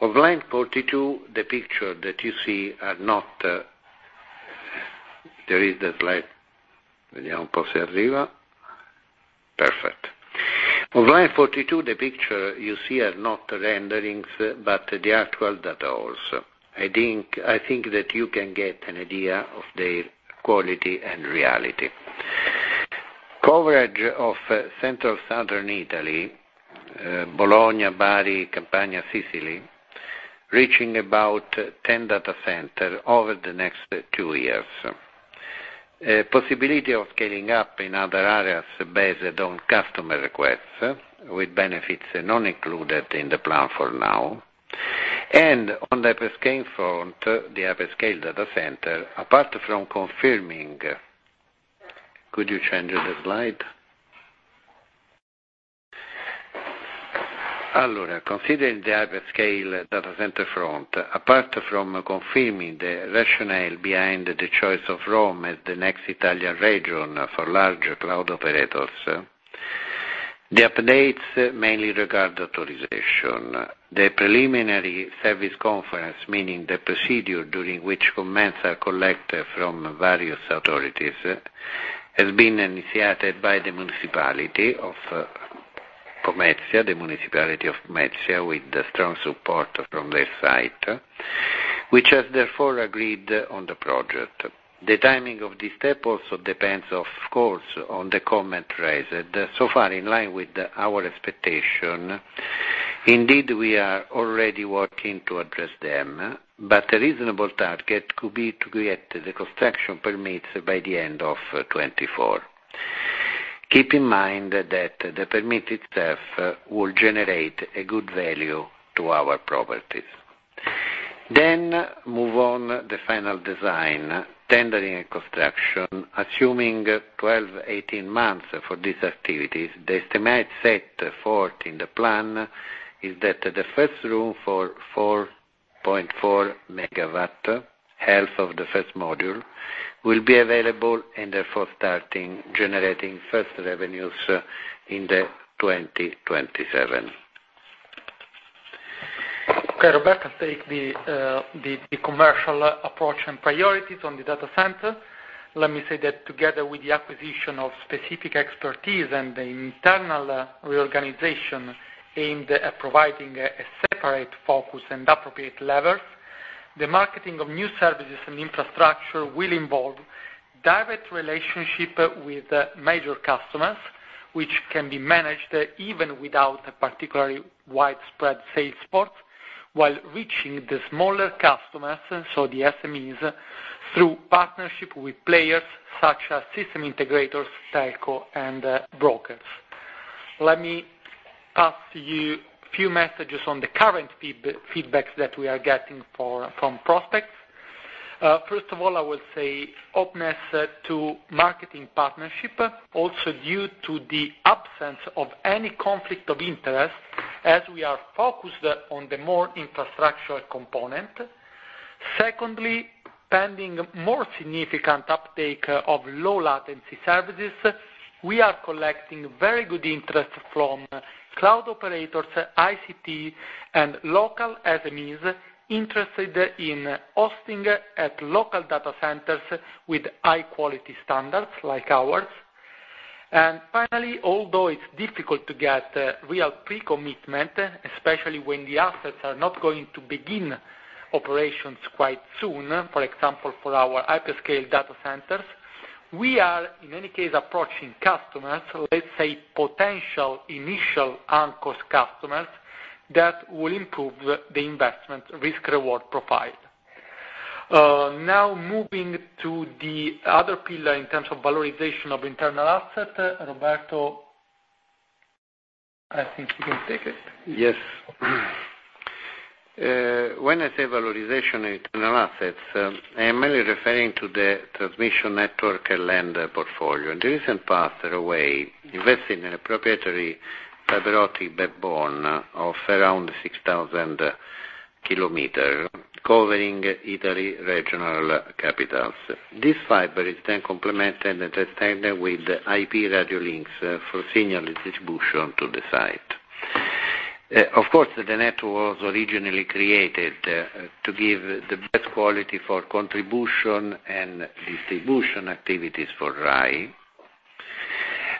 On line 42, the picture that you see are not... There is the slide. Perfect. On line 42, the picture you see are not renderings, but the actual data also. I think, I think that you can get an idea of the quality and reality. Coverage of central southern Italy, Bologna, Bari, Campania, Sicily, reaching about 10 data centers over the next two years. A possibility of scaling up in other areas based on customer requests, with benefits not included in the plan for now. And on the hyperscale front, the hyperscale data center, apart from confirming... Could you change the slide? Considering the hyperscale data center front, apart from confirming the rationale behind the choice of Rome as the next Italian region for larger cloud operators, the updates mainly regard authorization. The preliminary service conference, meaning the procedure during which comments are collected from various authorities, has been initiated by the municipality of Pomezia, the municipality of Pomezia, with the strong support from their side, which has therefore agreed on the project. The timing of this step also depends, of course, on the comment raised, so far in line with our expectation. Indeed, we are already working to address them, but a reasonable target could be to get the construction permits by the end of 2024. Keep in mind that the permit itself will generate a good value to our properties. Then, moving on to the final design, tendering, and construction, assuming 12-18 months for these activities, the estimate set forth in the plan is that the first room for 4.4 MW, half of the first module, will be available and therefore starting generating first revenues in 2027. Okay, Roberto, take the commercial approach and priorities on the data center. Let me say that together with the acquisition of specific expertise and the internal reorganization aimed at providing a separate focus and appropriate levels, the marketing of new services and infrastructure will involve direct relationship with major customers, which can be managed even without a particularly widespread sales force, while reaching the smaller customers, so the SMEs, through partnership with players such as system integrators, telco, and brokers. Let me pass to you a few messages on the current feedbacks that we are getting from prospects. First of all, I will say openness to marketing partnership, also due to the absence of any conflict of interest as we are focused on the more infrastructural component. Secondly, pending more significant uptake of low latency services, we are collecting very good interest from cloud operators, ICT, and local SMEs interested in hosting at local data centers with high quality standards like ours. And finally, although it's difficult to get real pre-commitment, especially when the assets are not going to begin operations quite soon, for example, for our hyperscale data centers, we are, in any case, approaching customers, let's say, potential initial anchor customers, that will improve the investment risk/reward profile. Now moving to the other pillar in terms of valorization of internal asset, Roberto, I think you can take it. Yes. When I say valorization internal assets, I am mainly referring to the transmission network and land portfolio. In the recent past, Rai Way invested in a proprietary fiber optic backbone of around 6,000 kilometers, covering Italy regional capitals. This fiber is then complemented and extended with IP radio links for signal distribution to the site. Of course, the net was originally created to give the best quality for contribution and distribution activities for Rai.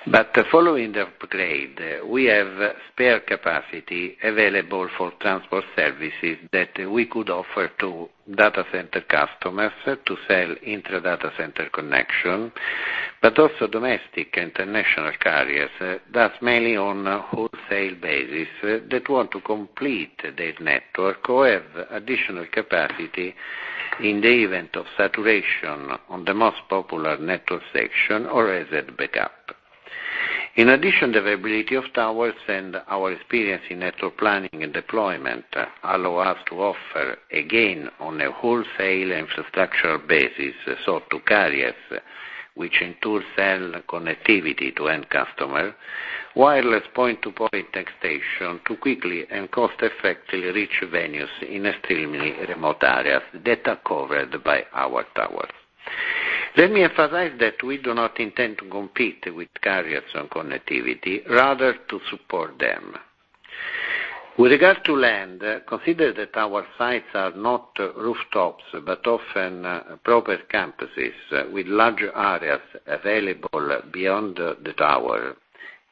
But following the upgrade, we have spare capacity available for transport services that we could offer to data center customers to sell intra data center connection, but also domestic international carriers, that's mainly on a wholesale basis, that want to complete their network or have additional capacity in the event of saturation on the most popular network section or as a backup. In addition, the availability of towers and our experience in network planning and deployment allow us to offer, again, on a wholesale infrastructural basis, so to carriers, which in turn sell connectivity to end customer, wireless point-to-point text station to quickly and cost effectively reach venues in extremely remote areas that are covered by our towers. Let me emphasize that we do not intend to compete with carriers on connectivity, rather to support them. With regard to land, consider that our sites are not rooftops, but often proper campuses with larger areas available beyond the tower.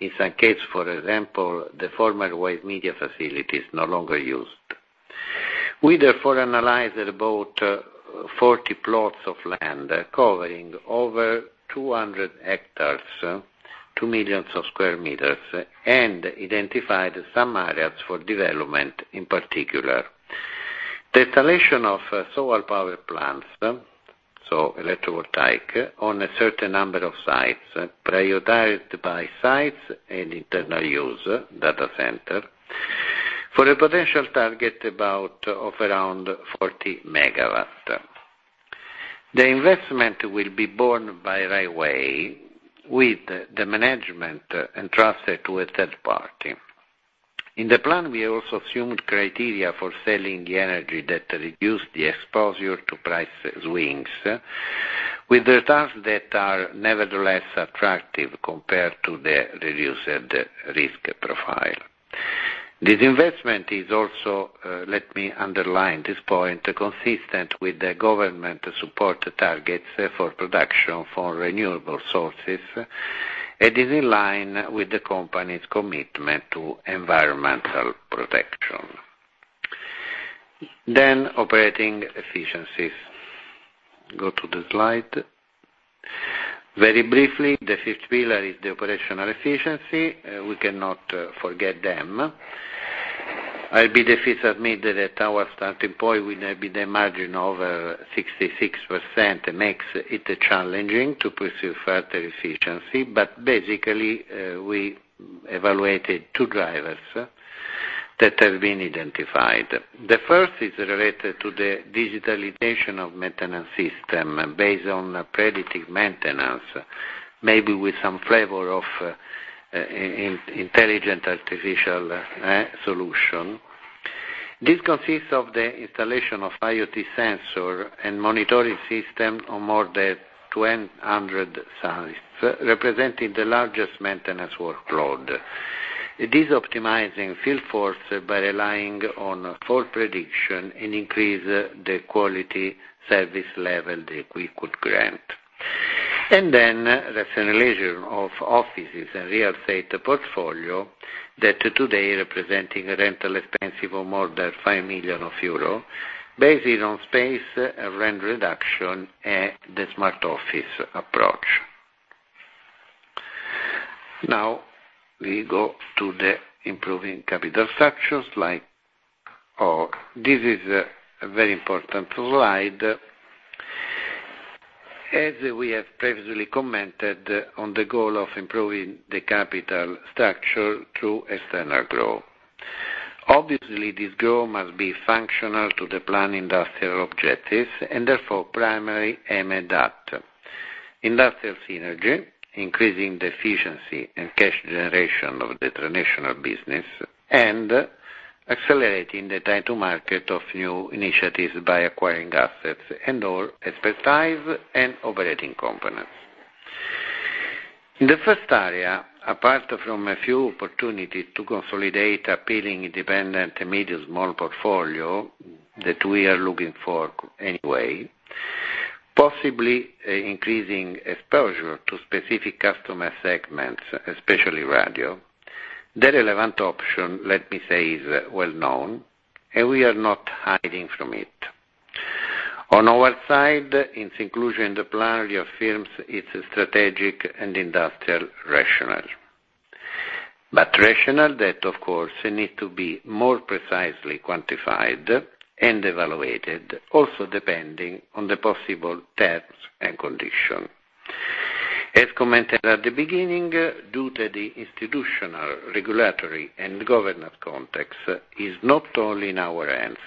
In some cases, for example, the former wide media facilities no longer used. We therefore analyzed about 40 plots of land covering over 200 hectares, 2 million square meters, and identified some areas for development, in particular. The installation of solar power plants, so electoral take, on a certain number of sites, prioritized by sites and internal use data center, for a potential target about of around 40 MW. The investment will be borne by Rai Way with the management entrusted to a third party. In the plan, we also assumed criteria for selling the energy that reduce the exposure to price swings, with the returns that are nevertheless attractive compared to the reduced risk profile. This investment is also, let me underline this point, consistent with the government support targets for production for renewable sources and is in line with the company's commitment to environmental protection. Then operating efficiencies. Go to the slide. Very briefly, the fifth pillar is the operational efficiency. We cannot forget them. I'll be the first to admit that at our starting point, with maybe the margin of 66% makes it challenging to pursue further efficiency, but basically, we evaluated two drivers that have been identified. The first is related to the digitalization of maintenance system based on predictive maintenance, maybe with some flavor of, in, artificial intelligence solution. This consists of the installation of IoT sensor and monitoring system on more than 200 sites, representing the largest maintenance workload. It is optimizing field force by relying on full prediction and increase the quality service level that we could grant. And then the rationalization of offices and real estate portfolio, that today representing a rental expense of more than 5 million euros, based on space and rent reduction and the smart office approach. Now, we go to the improving capital structure, slide... Oh, this is a, a very important slide. As we have previously commented on the goal of improving the capital structure through external growth. Obviously, this growth must be functional to the planned industrial objectives, and therefore primary aim at that. Industrial synergy, increasing the efficiency and cash generation of the traditional business, and accelerating the time to market of new initiatives by acquiring assets and/or expertise and operating companies. In the first area, apart from a few opportunities to consolidate appealing, independent, medium, small portfolio that we are looking for anyway, possibly, increasing exposure to specific customer segments, especially radio. The relevant option, let me say, is well known, and we are not hiding from it. On our side, its inclusion in the plan reaffirms its strategic and industrial rationale. The rationale that, of course, needs to be more precisely quantified and evaluated, also depending on the possible terms and conditions. As commented at the beginning, due to the institutional, regulatory, and governance context, it is not only in our hands.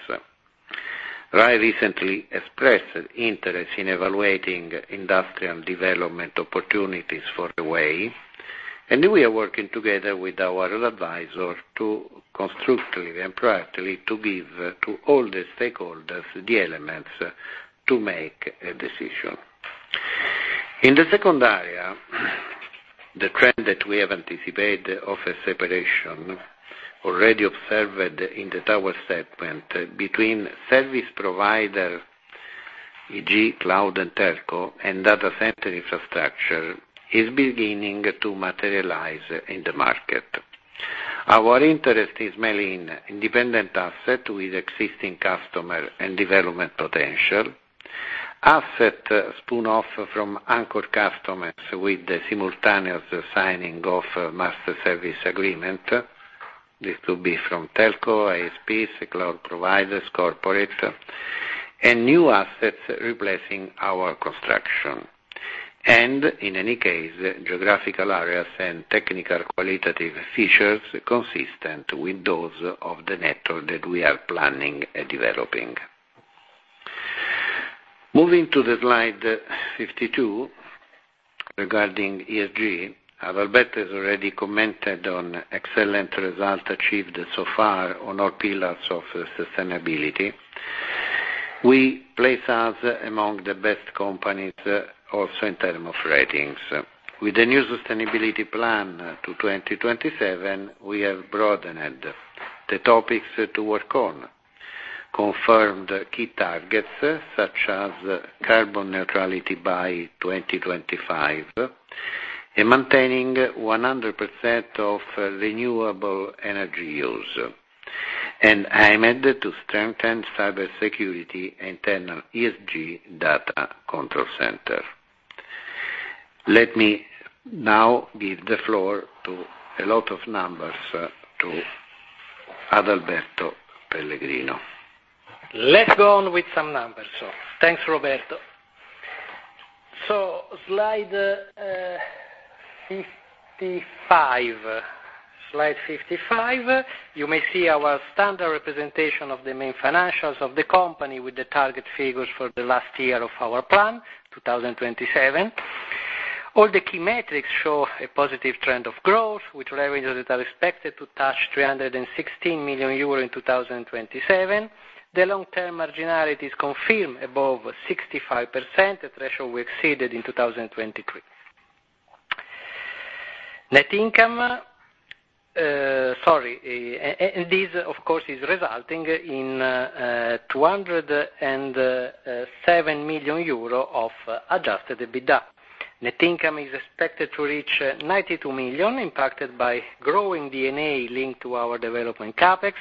I recently expressed interest in evaluating industrial development opportunities for Rai Way, and we are working together with our advisor to constructively and practically to give to all the stakeholders the elements to make a decision. In the second area, the trend that we have anticipated of a separation already observed in the tower segment between service providers, e.g., cloud and telco, and data center infrastructure is beginning to materialize in the market. Our interest is mainly in independent assets with existing customers and development potential. Assets spin-off from anchor customers with the simultaneous signing of a master service agreement. This could be from telco, ISPs, cloud providers, corporates, and new assets replacing our construction. And in any case, geographical areas and technical qualitative features consistent with those of the network that we are planning and developing. Moving to the slide 52, regarding ESG, Adalberto has already commented on excellent results achieved so far on all pillars of sustainability. We place us among the best companies, also in terms of ratings. With the new sustainability plan to 2027, we have broadened the topics to work on, confirmed key targets, such as carbon neutrality by 2025, and maintaining 100% of renewable energy use, and aimed to strengthen cybersecurity and internal ESG data control center. Let me now give the floor to a lot of numbers to Adalberto Pellegrino. Let's go on with some numbers. So thanks, Roberto. So slide 55. Slide 55, you may see our standard representation of the main financials of the company with the target figures for the last year of our plan, 2027. All the key metrics show a positive trend of growth, with revenues that are expected to touch 316 million euro in 2027. The long-term marginality is confirmed above 65%, a threshold we exceeded in 2023. Sorry, and this, of course, is resulting in 207 million euro of Adjusted EBITDA. Net income is expected to reach 92 million, impacted by growing D&A linked to our development CapEx.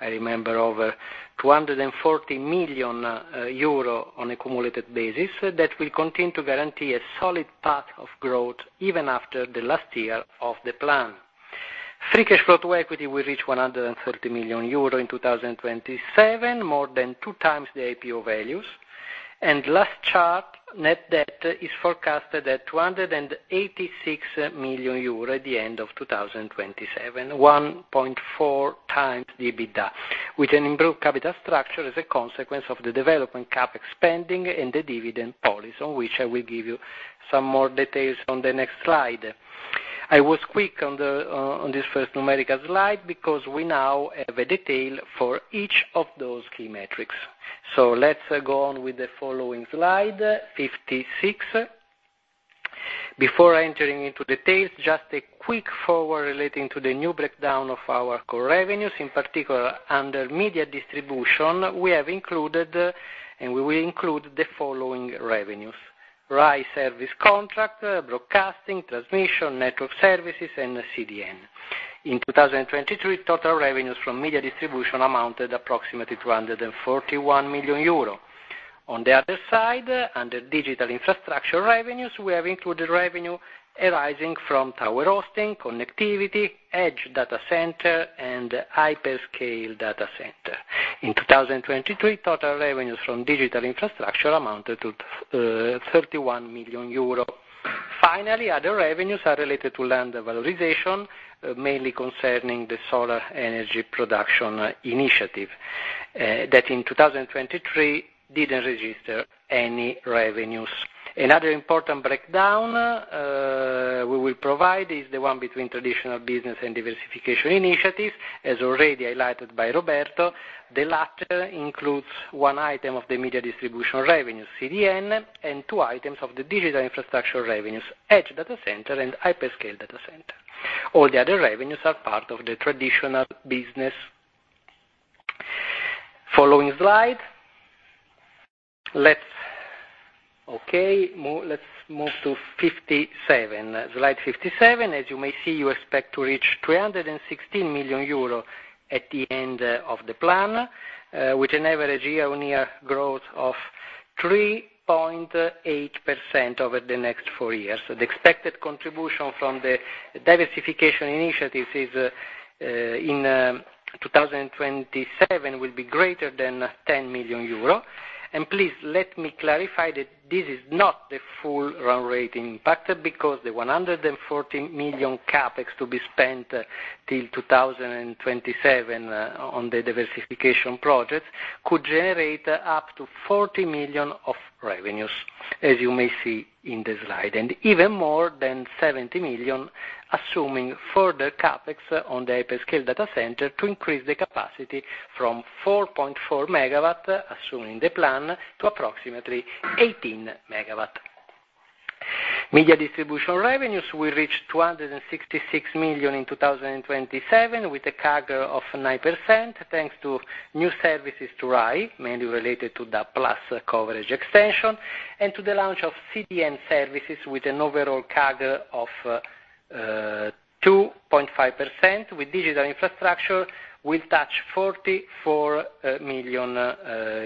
I remember over 240 million euro on a cumulative basis, that will continue to guarantee a solid path of growth even after the last year of the plan. Free cash flow to equity will reach 140 million euro in 2027, more than 2 times the IPO values. And last chart, net debt is forecasted at 286 million euro at the end of 2027, 1.4 times the EBITDA, with an improved capital structure as a consequence of the development CapEx spending and the dividend policy, on which I will give you some more details on the next slide. I was quick on the, on this first numerical slide, because we now have a detail for each of those key metrics. So let's go on with the following slide, 56. Before entering into details, just a quick forward relating to the new breakdown of our core revenues. In particular, under media distribution, we have included, and we will include, the following revenues: RAI service contract, broadcasting, transmission, network services, and CDN. In 2023, total revenues from media distribution amounted approximately to 241 million euro. On the other side, under digital infrastructure revenues, we have included revenue arising from tower hosting, connectivity, edge data center, and hyperscale data center. In 2023, total revenues from digital infrastructure amounted to 31 million euro. Finally, other revenues are related to land valorization, mainly concerning the solar energy production initiative, that in 2023, didn't register any revenues. Another important breakdown we will provide is the one between traditional business and diversification initiatives, as already highlighted by Roberto. The latter includes one item of the media distribution revenue, CDN, and two items of the digital infrastructure revenues, edge data center and hyperscale data center. All the other revenues are part of the traditional business. Following slide. Let's move to slide 57. Slide 57, as you may see, you expect to reach 316 million euro at the end of the plan with an average year-on-year growth of 3.8% over the next four years. So the expected contribution from the diversification initiatives is, in 2027, will be greater than 10 million euro. Please, let me clarify that this is not the full run rate impact, because the 140 million CapEx to be spent till 2027 on the diversification project could generate up to 40 million of revenues, as you may see in the slide, and even more than 70 million, assuming further CapEx on the hyperscale data center to increase the capacity from 4.4 MW, assuming the plan, to approximately 18 MW. Media distribution revenues will reach 266 million in 2027, with a CAGR of 9%, thanks to new services to RAI, mainly related to the plus coverage extension, and to the launch of CDN services with an overall CAGR of 2.5%, with digital infrastructure will touch 44 million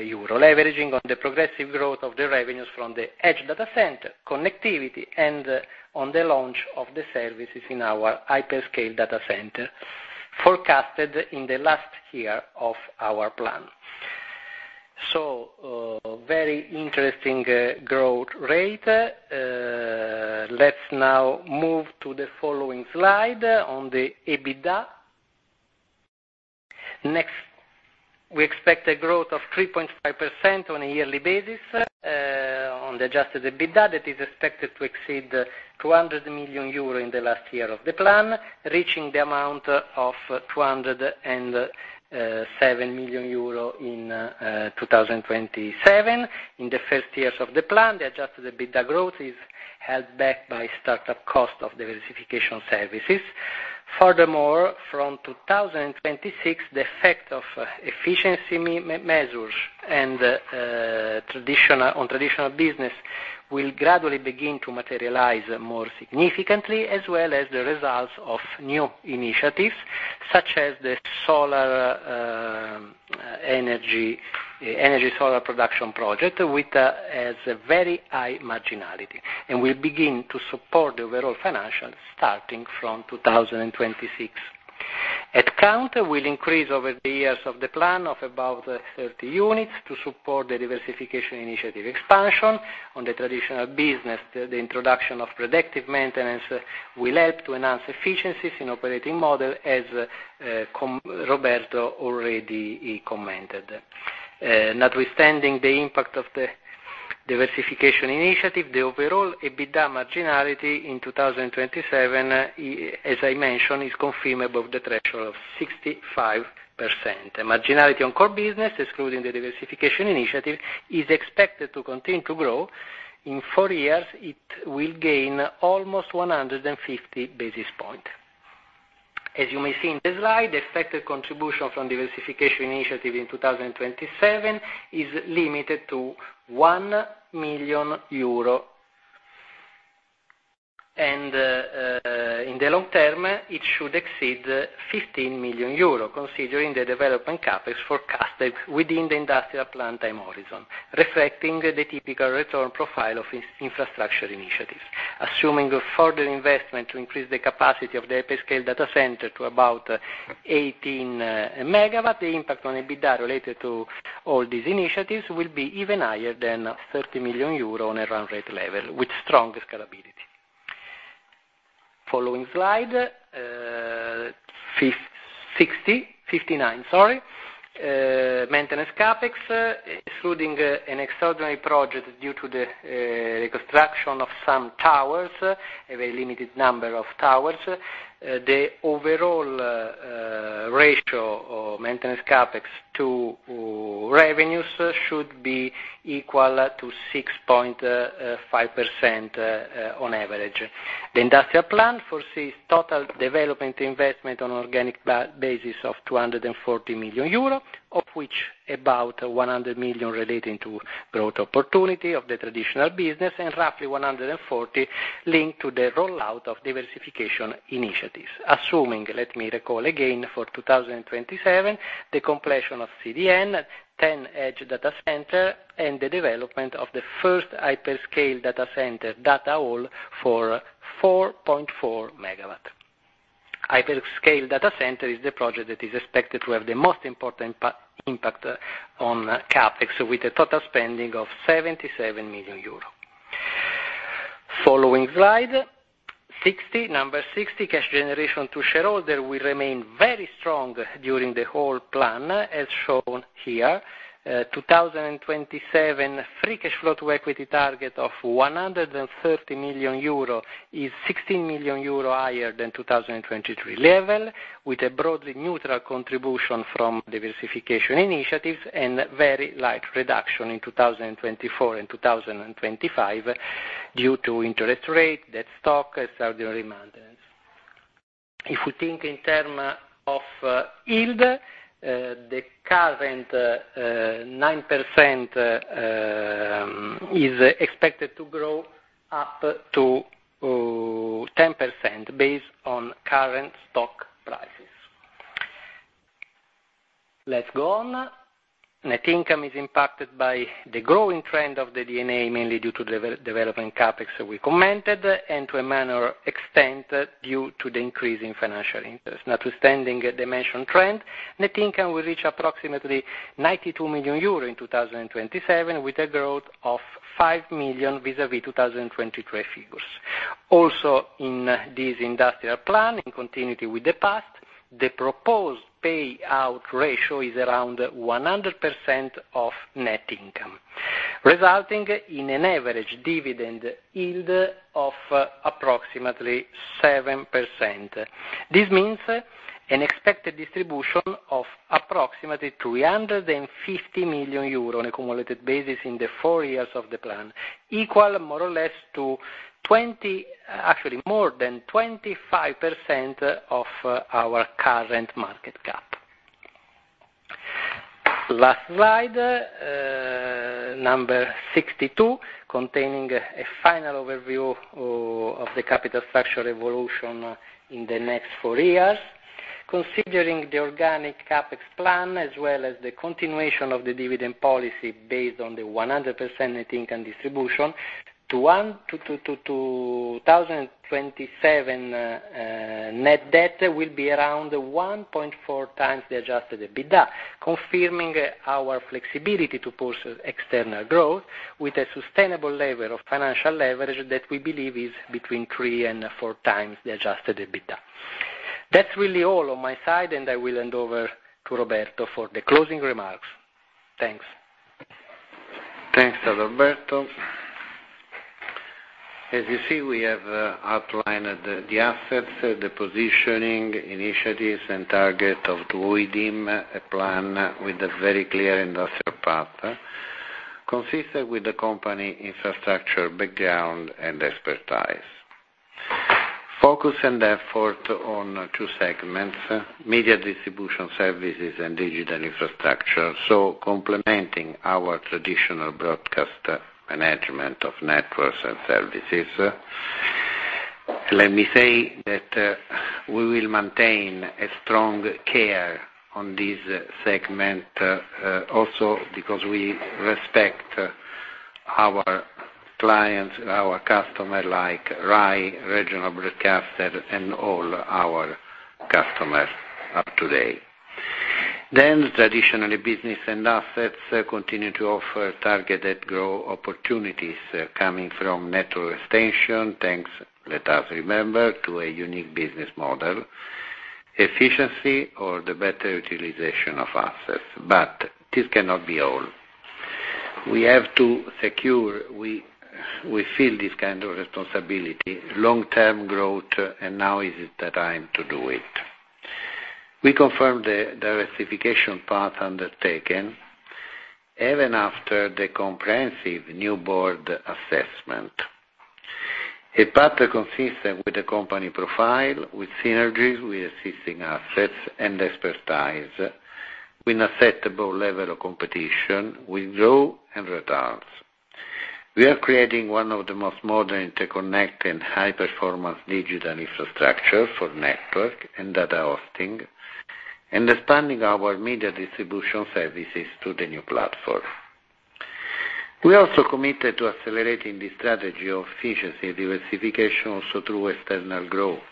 euro, leveraging on the progressive growth of the revenues from the edge data center, connectivity, and on the launch of the services in our hyperscale data center, forecasted in the last year of our plan. So, very interesting growth rate. Let's now move to the following slide on the EBITDA. Next, we expect a growth of 3.5% on a yearly basis, on the Adjusted EBITDA, that is expected to exceed 200 million euro in the last year of the plan, reaching the amount of 207 million euro in 2027. In the first years of the plan, the Adjusted EBITDA growth is held back by startup cost of diversification services. Furthermore, from 2026, the effect of efficiency measures and traditional business will gradually begin to materialize more significantly, as well as the results of new initiatives, such as the solar energy production project, with has a very high marginality, and will begin to support the overall financial starting from 2026. Headcount will increase over the years of the plan of about 30 units to support the diversification initiative expansion. On the traditional business, the introduction of predictive maintenance will help to enhance efficiencies in operating model, as Roberto already commented. Notwithstanding the impact of the diversification initiative, the overall EBITDA marginality in 2027, as I mentioned, is confirmed above the threshold of 65%. Marginality on core business, excluding the diversification initiative, is expected to continue to grow. In 4 years, it will gain almost 150 basis point. As you may see in the slide, the expected contribution from diversification initiative in 2027 is limited to EUR 1 million. In the long term, it should exceed 15 million euro, considering the development CapEx forecasted within the industrial plan time horizon, reflecting the typical return profile of infrastructure initiatives. Assuming a further investment to increase the capacity of the hyperscale data center to about 18 MW, the impact on EBITDA related to all these initiatives will be even higher than 30 million euros on a run rate level, with strong scalability. Following slide 59, sorry. Maintenance CapEx, including an extraordinary project due to the reconstruction of some towers, a very limited number of towers, the overall ratio of maintenance CapEx to revenues should be equal to 6.5%, on average. The industrial plan foresees total development investment on organic basis of 240 million euro, of which about 100 million relating to growth opportunity of the traditional business, and roughly 140 linked to the rollout of diversification initiatives. Assuming, let me recall again, for 2027, the completion of CDN, 10 edge data center, and the development of the first hyperscale data center data hall for 4.4 MW. Hyperscale data center is the project that is expected to have the most important impact on CapEx, with a total spending of 77 million euros. Following slide, 60, number 60, cash generation to shareholder will remain very strong during the whole plan, as shown here. 2027 free cash flow to equity target of 130 million euro is 16 million euro higher than 2023 level, with a broadly neutral contribution from diversification initiatives and very light reduction in 2024 and 2025, due to interest rate, debt stock, extraordinary maintenance. If we think in terms of yield, the current 9% is expected to grow up to 10% based on current stock prices. Let's go on. Net income is impacted by the growing trend of the D&A, mainly due to the development CapEx we commented, and to a minor extent, due to the increase in financial interest. Notwithstanding the mentioned trend, net income will reach approximately 92 million euro in 2027, with a growth of 5 million vis-a-vis 2023 figures. Also, in this industrial plan, in continuity with the past, the proposed payout ratio is around 100% of net income, resulting in an average dividend yield of approximately 7%. This means an expected distribution of approximately 350 million euros on a cumulative basis in the 4 years of the plan, equal more or less to 20, actually more than 25% of our current market cap. Last slide, number 62, containing a final overview of the capital structure evolution in the next 4 years. Considering the organic CapEx plan, as well as the continuation of the dividend policy based on the 100% net income distribution to 2027, net debt will be around 1.4x the Adjusted EBITDA, confirming our flexibility to push external growth with a sustainable level of financial leverage that we believe is between 3x and 4x the Adjusted EBITDA. That's really all on my side, and I will hand over to Roberto for the closing remarks. Thanks. Thanks, Adalberto. As you see, we have outlined the assets, the positioning, initiatives, and target of our 2024, a plan with a very clear industrial path, consistent with the company infrastructure, background, and expertise. Focus and effort on two segments, media distribution services and digital infrastructure, so complementing our traditional broadcast management of networks and services. Let me say that we will maintain a strong care on this segment, also because we respect our clients, our customer, like RAI, regional broadcaster, and all our customers of today. Then, traditionally, business and assets continue to offer targeted growth opportunities coming from network extension. Thanks, let us remember, to a unique business model, efficiency or the better utilization of assets, but this cannot be all. We have to secure, we feel this kind of responsibility, long-term growth, and now is the time to do it. We confirm the ratification path undertaken, even after the comprehensive new board assessment. A path consistent with the company profile, with synergies, with assisting assets and expertise, with an acceptable level of competition, with growth and returns. We are creating one of the most modern, interconnected, high-performance digital infrastructure for network and data hosting, and expanding our media distribution services to the new platform. We also committed to accelerating the strategy of efficiency and diversification, also through external growth,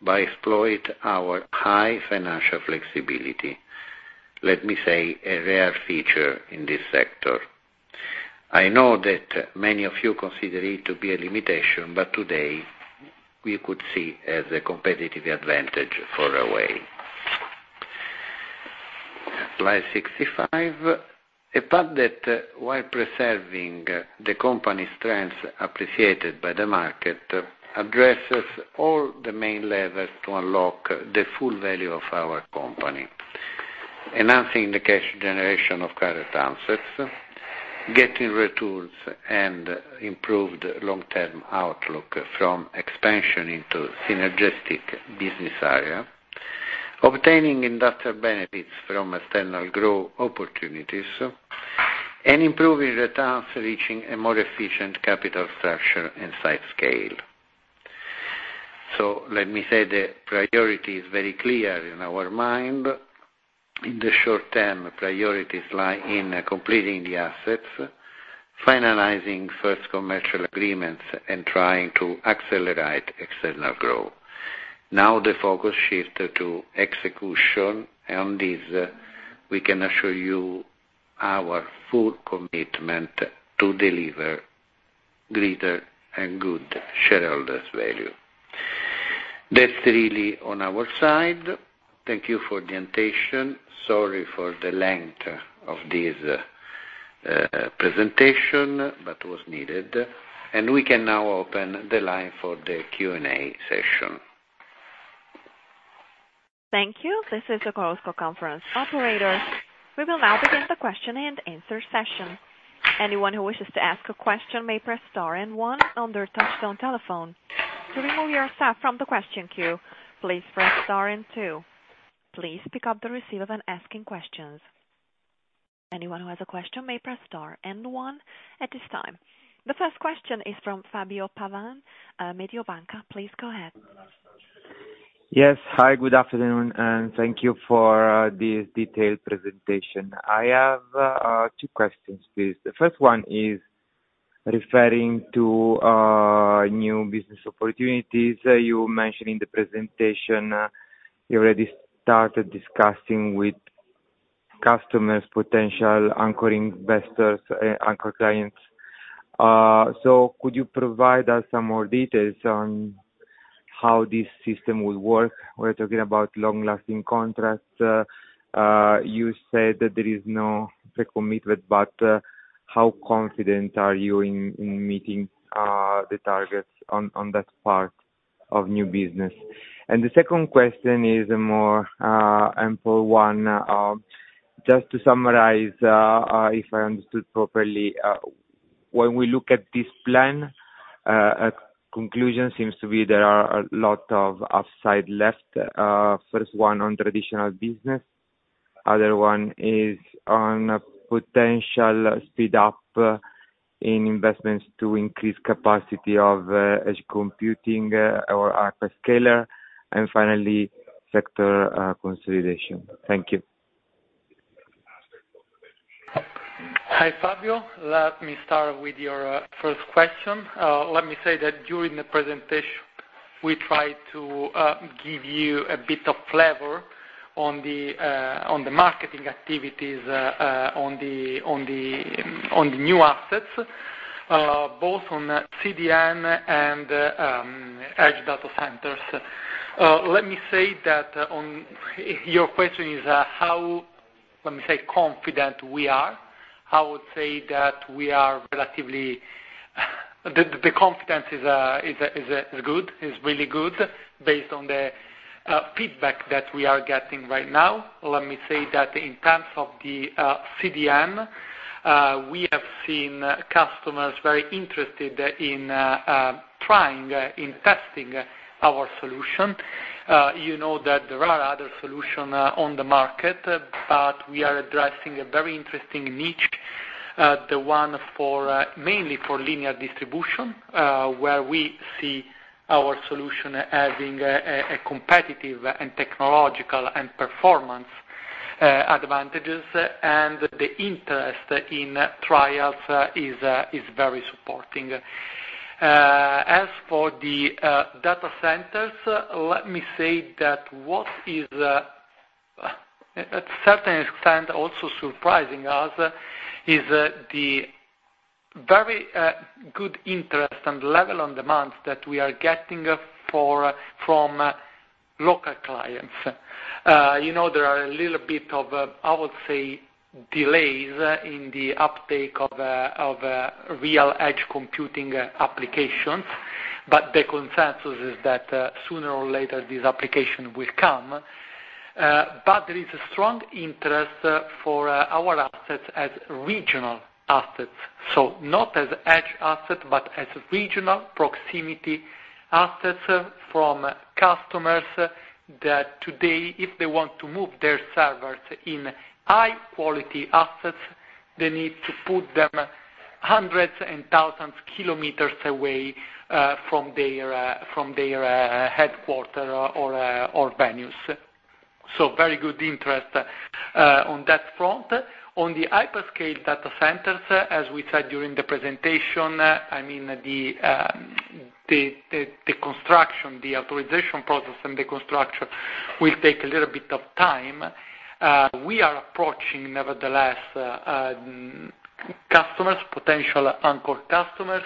by exploit our high financial flexibility. Let me say, a rare feature in this sector. I know that many of you consider it to be a limitation, but today we could see as a competitive advantage for Rai Way. Slide 65. A path that, while preserving the company's strengths appreciated by the market, addresses all the main levers to unlock the full value of our company. Enhancing the cash generation of current assets, getting returns and improved long-term outlook from expansion into synergistic business area, obtaining industrial benefits from external growth opportunities, and improving returns, reaching a more efficient capital structure and size scale. So let me say, the priority is very clear in our mind. In the short term, priorities lie in completing the assets, finalizing first commercial agreements, and trying to accelerate external growth. Now, the focus shifts to execution, and on this, we can assure you our full commitment to deliver greater and good shareholders value. That's really on our side. Thank you for the attention. Sorry for the length of this presentation, but was needed. We can now open the line for the Q&A session. Thank you. This is the Chorus Call conference operator. We will now begin the question and answer session. Anyone who wishes to ask a question may press star and one on their touchtone telephone. To remove yourself from the question queue, please press star and two. Please pick up the receiver when asking questions. Anyone who has a question may press star and one at this time. The first question is from Fabio Pavan, Mediobanca. Please go ahead. Yes. Hi, good afternoon, and thank you for this detailed presentation. I have two questions, please. The first one is referring to new business opportunities. You mentioned in the presentation you already started discussing with customers, potential anchoring investors, anchor clients. So could you provide us some more details on how this system will work? We're talking about long-lasting contracts. You said that there is no pre-commitment, but how confident are you in meeting the targets on that part of new business? And the second question is a more ample one. Just to summarize, if I understood properly, when we look at this plan, a conclusion seems to be there are a lot of upside left. First one, on traditional business, other one is on a potential speed up in investments to increase capacity of edge computing, our hyperscaler, and finally, sector consolidation. Thank you. Hi, Fabio. Let me start with your first question. Let me say that during the presentation, we tried to give you a bit of flavor on the marketing activities on the new assets, both on CDN and edge data centers. Let me say that on your question is how confident we are. I would say that we are relatively. The confidence is good, is really good, based on the feedback that we are getting right now. Let me say that in terms of the CDN, we have seen customers very interested in trying in testing our solution. You know that there are other solution on the market, but we are addressing a very interesting niche, the one for mainly for linear distribution, where we see our solution as being a competitive and technological and performance advantages, and the interest in trials is very supporting. As for the data centers, let me say that what is at certain extent also surprising us is the very good interest and level on demands that we are getting for from local clients. You know, there are a little bit of I would say delays in the uptake of real edge computing applications.... the consensus is that sooner or later, this application will come. There is a strong interest for our assets as regional assets, so not as edge assets, but as regional proximity assets from customers, that today, if they want to move their servers in high quality assets, they need to put them hundreds and thousands kilometers away from their headquarters or venues. So very good interest on that front. On the hyperscale data centers, as we said during the presentation, I mean, the construction, the authorization process and the construction will take a little bit of time. We are approaching, nevertheless, customers, potential anchor customers,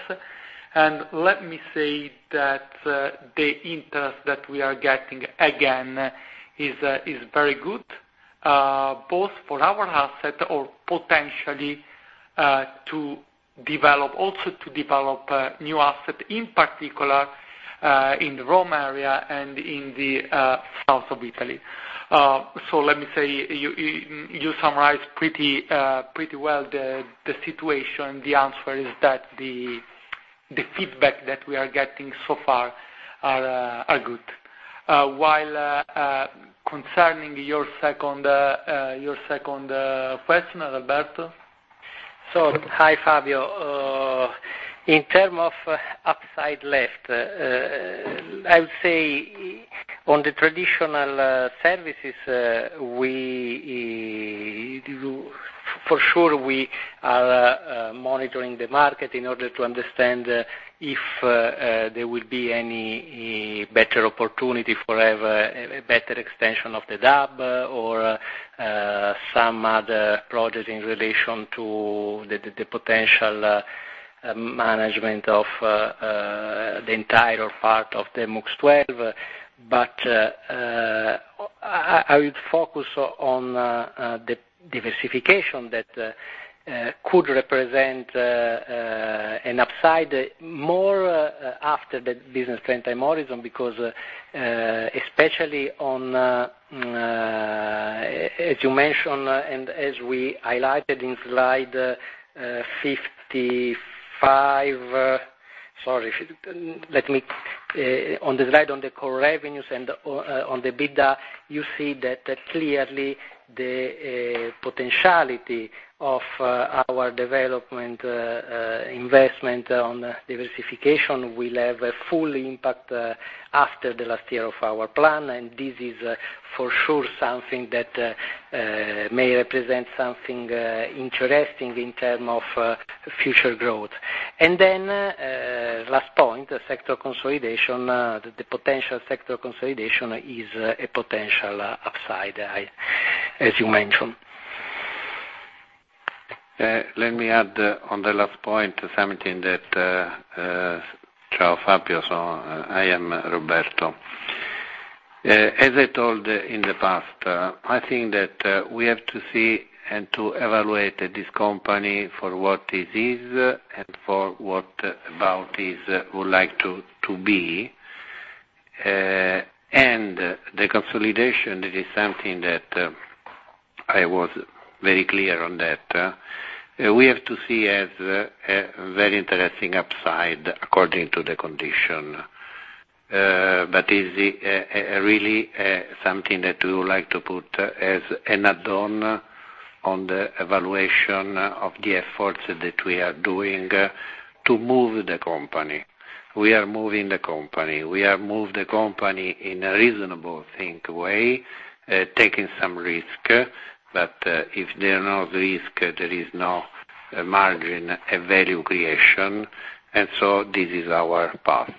and let me say that the interest that we are getting, again, is very good, both for our asset or potentially to develop—also to develop new asset, in particular, in the Rome area and in the south of Italy. So let me say, you summarize pretty well the situation. The answer is that the feedback that we are getting so far are good. While concerning your second question, Adalberto? So hi, Fabio. In terms of upside left, I would say on the traditional services, we, for sure, are monitoring the market in order to understand if there will be any better opportunity to have a better extension of the DAB or some other project in relation to the potential management of the entire part of the Mux 1/2. But I would focus on the diversification that could represent an upside more after the business plan time horizon, because especially on... As you mentioned, and as we highlighted in slide 55. Sorry, let me on the slide on the core revenues and on the beta, you see that clearly the potentiality of our development investment on diversification will have a full impact after the last year of our plan, and this is for sure something that may represent something interesting in term of future growth. And then, last point, the sector consolidation, the potential sector consolidation is a potential upside, I, as you mentioned. Let me add, on the last point, something that, Ciao, Fabio. So I am Roberto. As I told you, in the past, I think that we have to see and to evaluate this company for what it is and for what it would like to be. And the consolidation is something that I was very clear on that. We have to see as a very interesting upside, according to the condition, but is it really something that we would like to put as an add-on on the evaluation of the efforts that we are doing to move the company. We are moving the company. We have moved the company in a reasonable thinking way, taking some risk, but if there are no risk, there is no margin and value creation, and so this is our path.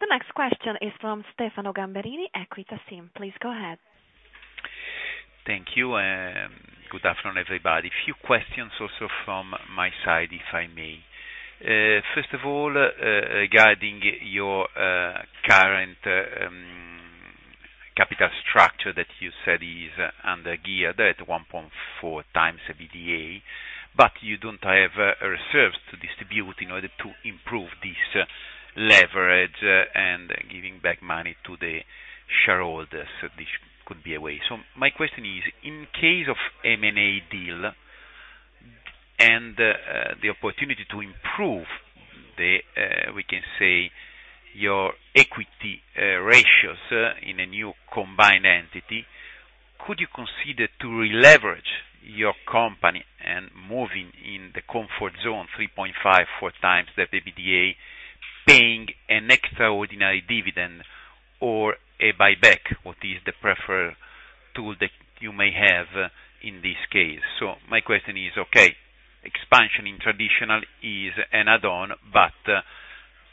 The next question is from Stefano Gamberini, Equita SIM. Please go ahead. Thank you, and good afternoon, everybody. Few questions also from my side, if I may. First of all, regarding your current capital structure that you said is under geared at 1.4 times EBITDA, but you don't have reserves to distribute in order to improve this leverage, and giving back money to the shareholders, this could be a way. So my question is, in case of M&A deal and the opportunity to improve the, we can say, your equity ratios, in a new combined entity, could you consider to re-leverage your company and moving in the comfort zone, 3.5-4 times the EBITDA, paying an extraordinary dividend or a buyback? What is the preferred tool that you may have in this case? So my question is, okay, expansion in traditional is an add-on, but,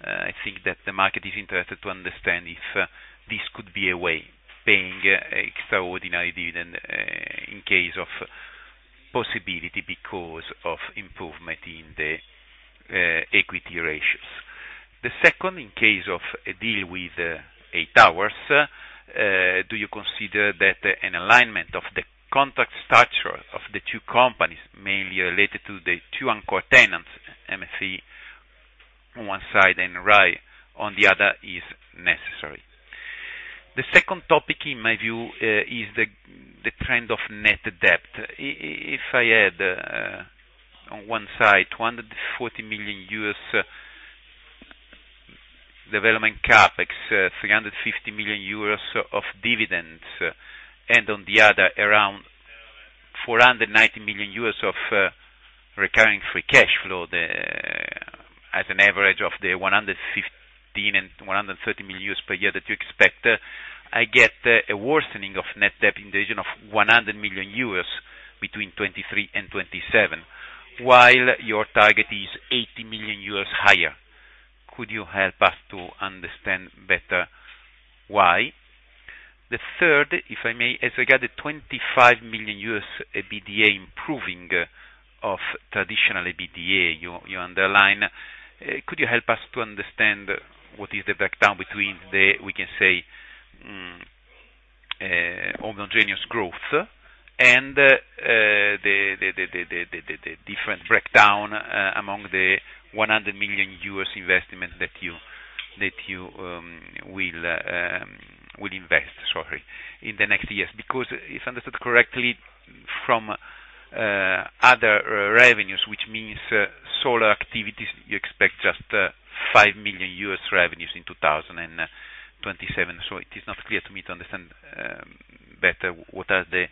I think that the market is interested to understand if, this could be a way, paying extraordinary dividend, in case of possibility, because of improvement in the, equity ratios.... The second, in case of a deal with, Eight Towers, do you consider that an alignment of the contract structure of the two companies, mainly related to the two anchor tenants, MSC on one side and RAI on the other, is necessary? The second topic, in my view, is the trend of net debt. If I add, on one side, $140 million development CapEx, 350 million euros of dividends, and on the other, around $490 million of recurring free cash flow, as an average of the $115 million and $130 million per year that you expect, I get a worsening of net debt in the region of 100 million euros between 2023 and 2027, while your target is 80 million euros higher. Could you help us to understand better why? The third, if I may, as regards to $25 million, EBITDA improving of traditional EBITDA, you underline, could you help us to understand what is the breakdown between the, we can say, homogeneous growth and the different breakdown among the $100 million investment that you will invest, sorry, in the next years. Because if understood correctly, from other revenues, which means solar activities, you expect just $5 million revenues in 2027. So it is not clear to me to understand better what are the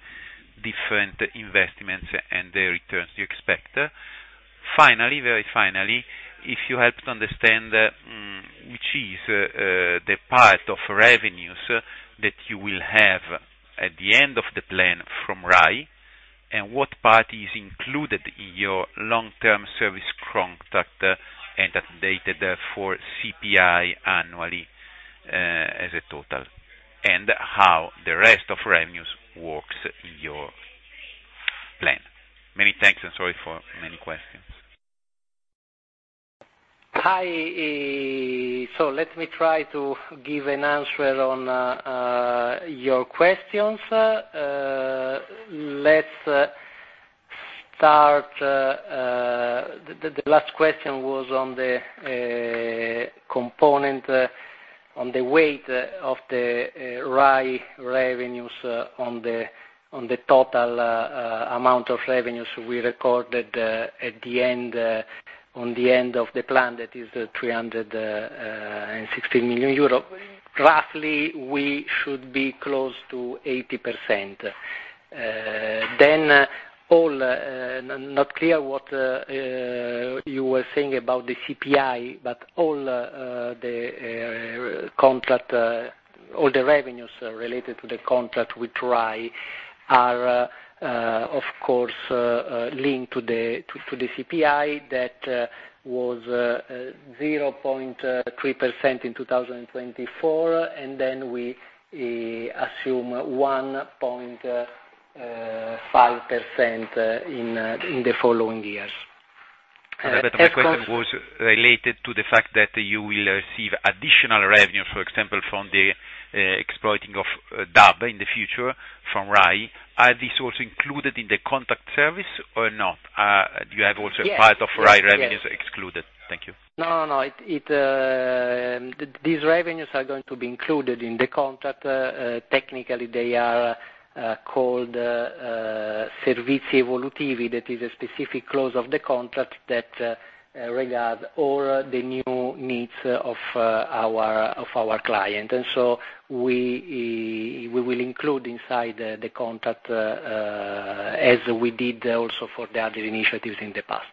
different investments and the returns you expect. Finally, very finally, if you help to understand, which is, the part of revenues that you will have at the end of the plan from RAI, and what part is included in your long-term service contract, and updated, therefore, CPI annually, as a total, and how the rest of revenues works in your plan. Many thanks, and sorry for many questions. Hi, so let me try to give an answer on your questions. Let's start. The last question was on the component on the weight of the RAI revenues on the total amount of revenues we recorded at the end of the plan, that is 360 million euros. Roughly, we should be close to 80%. Then, it's not clear what you were saying about the CPI, but all the revenues related to the contract with RAI are, of course, linked to the CPI. That was 0.3% in 2024, and then we assume 1.5% in the following years. Of course- My question was related to the fact that you will receive additional revenues, for example, from the exploiting of DAB in the future from RAI. Are these also included in the contract service or not? Do you have also- Yes. Part of RAI revenues excluded? Thank you. No, no, these revenues are going to be included in the contract. Technically, they are called Servizi Evolutivi. That is a specific clause of the contract that regard all the new needs of our client. And so we will include inside the contract, as we did also for the other initiatives in the past.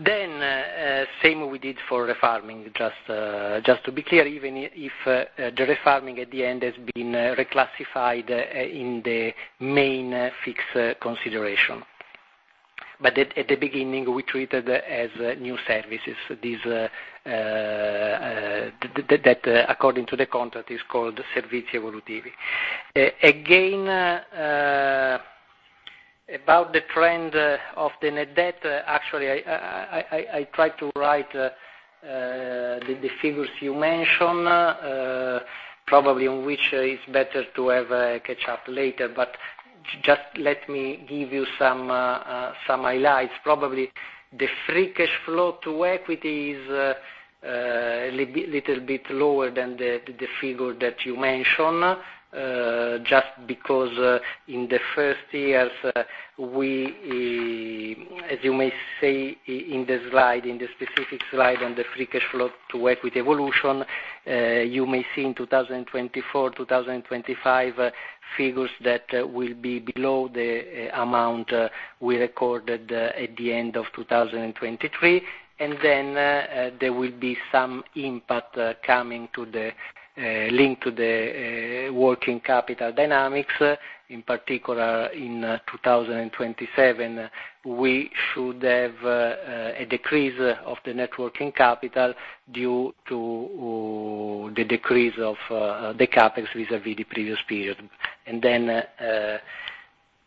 Then, same we did for refarming. Just, just to be clear, even if the refarming at the end has been reclassified in the main fixed consideration. But at the beginning, we treated as new services, these that, according to the contract, is called Servizi Evolutivi. Again, about the trend of the net debt, actually, I tried to write the figures you mentioned, probably on which it's better to have a catch up later. But just let me give you some highlights. Probably the free cash flow to equity is a little bit lower than the figure that you mentioned, just because, in the first years, we, as you may see in the slide, in the specific slide on the free cash flow to equity evolution, you may see in 2024, 2025, figures that will be below the amount we recorded at the end of 2023. And then, there will be some impact coming to the linked to the working capital dynamics. In particular, in 2027, we should have a decrease of the net working capital due to the decrease of the CapEx vis-à-vis the previous period.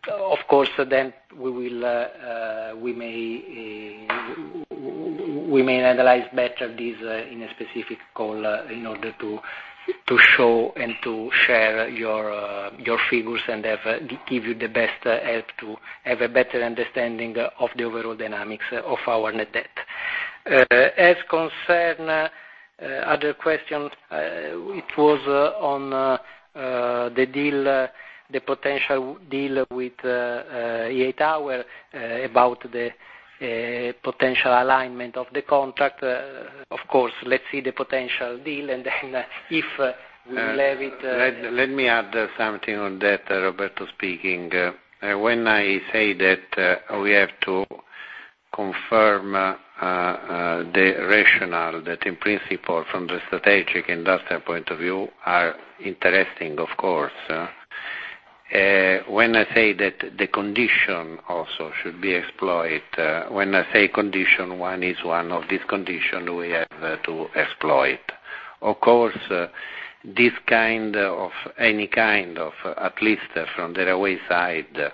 Of course, then we may analyze better this in a specific call in order to show and to share your figures and give you the best help to have a better understanding of the overall dynamics of our net debt. As concern other questions, it was on the deal, the potential deal with EI Towers, about the potential alignment of the contract. Of course, let's see the potential deal, and then if we will have it. Let me add something on that, Roberto speaking. When I say that, we have to confirm the rationale that in principle, from the strategic industrial point of view, are interesting, of course. When I say that the condition also should be exploited, when I say condition, one is one of this condition we have to exploit. Of course, this kind of, any kind of, at least from the Rai Way side,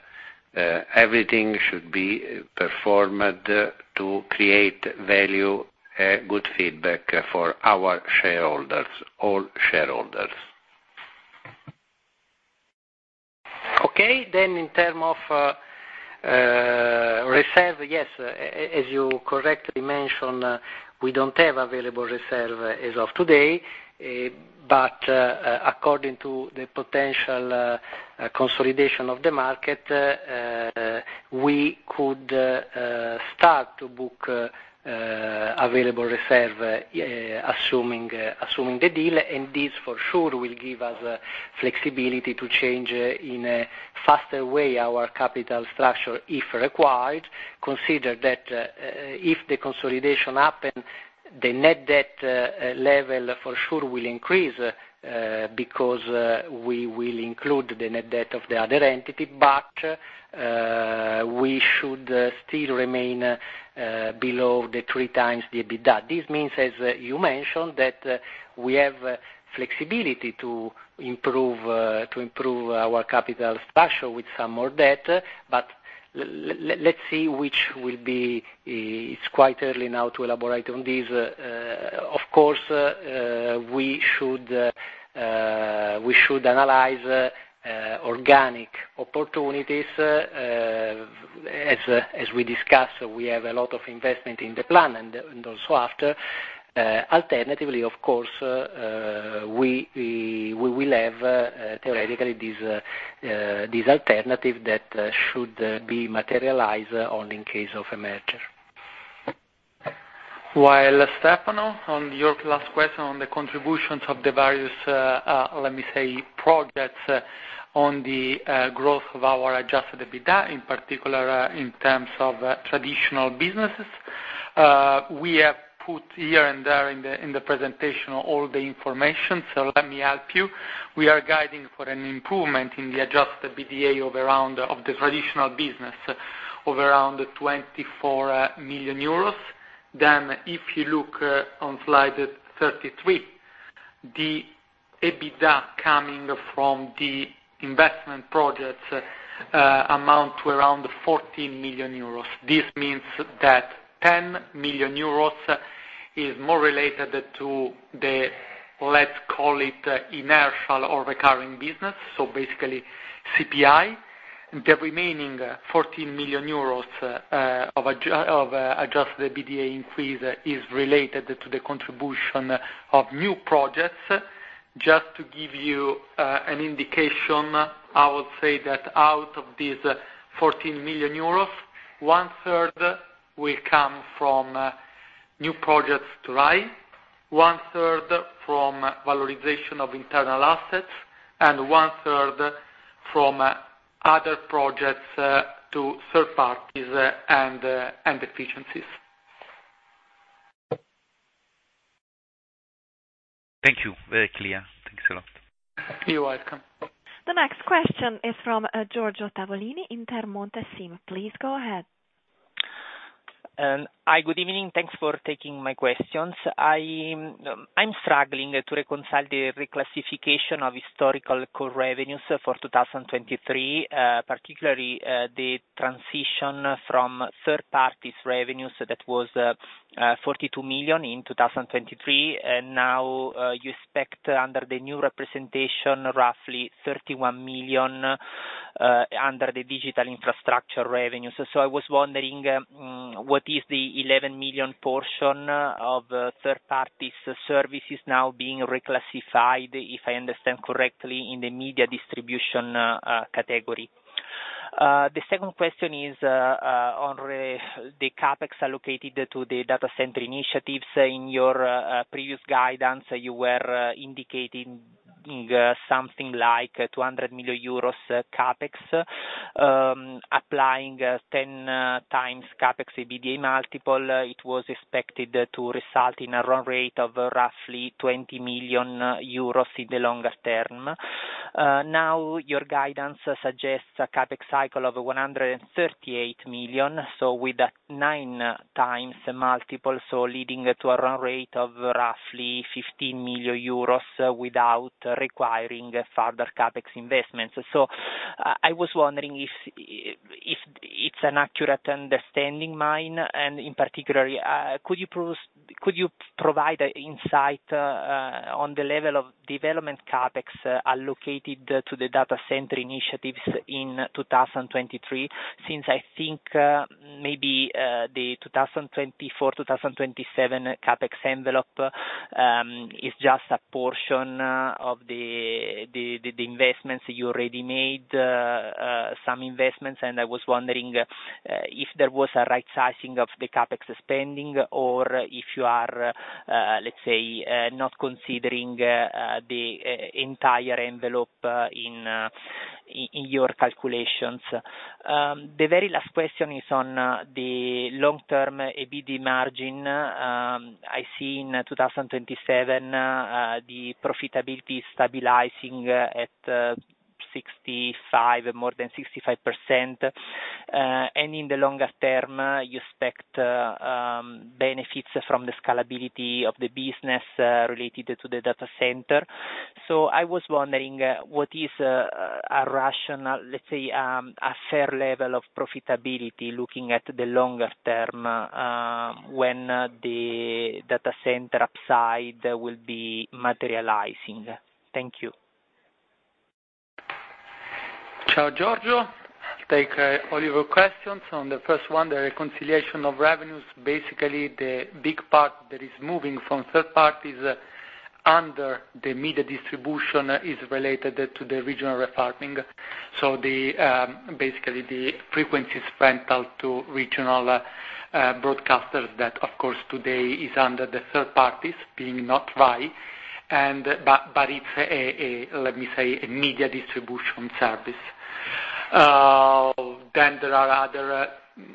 everything should be performed to create value, good feedback for our shareholders, all shareholders. Okay, then in terms of reserve, yes, as you correctly mentioned, we don't have available reserve as of today. But, according to the potential consolidation of the market, we could start to book available reserve, assuming the deal, and this, for sure, will give us flexibility to change in a faster way our capital structure, if required. Consider that, if the consolidation happen, the net debt level for sure will increase, because we will include the net debt of the other entity. But, we should still remain below the three times the EBITDA. This means, as you mentioned, that we have flexibility to improve our capital structure with some more debt, but let's see which will be... It's quite early now to elaborate on this. Of course, we should analyze organic opportunities, as we discussed, we have a lot of investment in the plan and also after. Alternatively, of course, we will have, theoretically, this alternative that should be materialized only in case of a merger. While Stefano, on your last question on the contributions of the various, let me say, projects, on the growth of our Adjusted EBITDA, in particular, in terms of traditional businesses, we have put here and there in the presentation, all the information, so let me help you. We are guiding for an improvement in the Adjusted EBITDA of around, of the traditional business, of around 24 million euros. Then, if you look on slide 33, the EBITDA coming from the investment projects amount to around 14 million euros. This means that 10 million euros is more related to the, let's call it, inertial or recurring business, so basically CPI. The remaining 14 million euros of Adjusted EBITDA increase is related to the contribution of new projects. Just to give you an indication, I would say that out of these 14 million euros, one third will come from new projects to high, one third from valorization of internal assets, and one third from other projects to third parties, and efficiencies. Thank you. Very clear. Thanks a lot. You're welcome. The next question is from Giorgio Tavolini, Intermonte SIM. Please go ahead. Hi, good evening. Thanks for taking my questions. I'm struggling to reconcile the reclassification of historical core revenues for 2023, particularly, the transition from third parties revenues. So that was 42 million in 2023, and now you expect under the new representation, roughly 31 million under the digital infrastructure revenues. So I was wondering what is the 11 million portion of third parties services now being reclassified, if I understand correctly, in the media distribution category? The second question is on the CapEx allocated to the data center initiatives. In your previous guidance, you were indicating something like EUR 200 million CapEx. Applying 10x CapEx EBITDA multiple, it was expected to result in a run rate of roughly 20 million euros in the longer term. Now, your guidance suggests a CapEx cycle of 138 million, so with a 9x multiple, leading to a run rate of roughly 15 million euros without requiring further CapEx investments. So, I was wondering if that's an accurate understanding of mine, and in particular, could you please provide an insight on the level of development CapEx allocated to the data center initiatives in 2023? Since I think maybe the 2024-2027 CapEx envelope is just a portion of the investments. You already made some investments, and I was wondering if there was a right sizing of the CapEx spending or if you are, let's say, not considering the entire envelope in your calculations. The very last question is on the long-term EBITDA margin. I see in 2027 the profitability stabilizing at more than 65%. And in the longer term, you expect benefits from the scalability of the business related to the data center. So I was wondering what is a rational, let's say, a fair level of profitability looking at the longer term when the data center upside will be materializing? Thank you. Ciao, Giorgio. Take all your questions. On the first one, the reconciliation of revenues, basically, the big part that is moving from third party is under the media distribution is related to the regional refarming. So basically, the frequencies rental to regional broadcasters, that of course, today is under the third parties being not right, but it's a let me say, a media distribution service. Then there are other,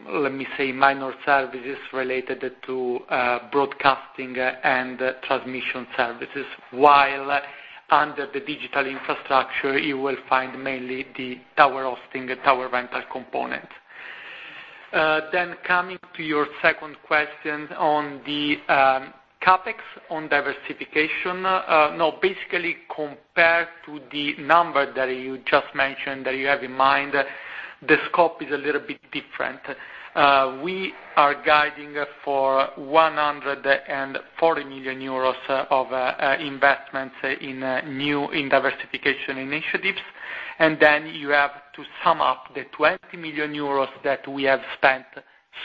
let me say, minor services related to broadcasting and transmission services, while under the digital infrastructure, you will find mainly the tower hosting, the tower rental component. Then coming to your second question on the CapEx on diversification. No, basically, compared to the number that you just mentioned, that you have in mind, the scope is a little bit different. We are guiding for 140 million euros of investments in new diversification initiatives, and then you have to sum up the 20 million euros that we have spent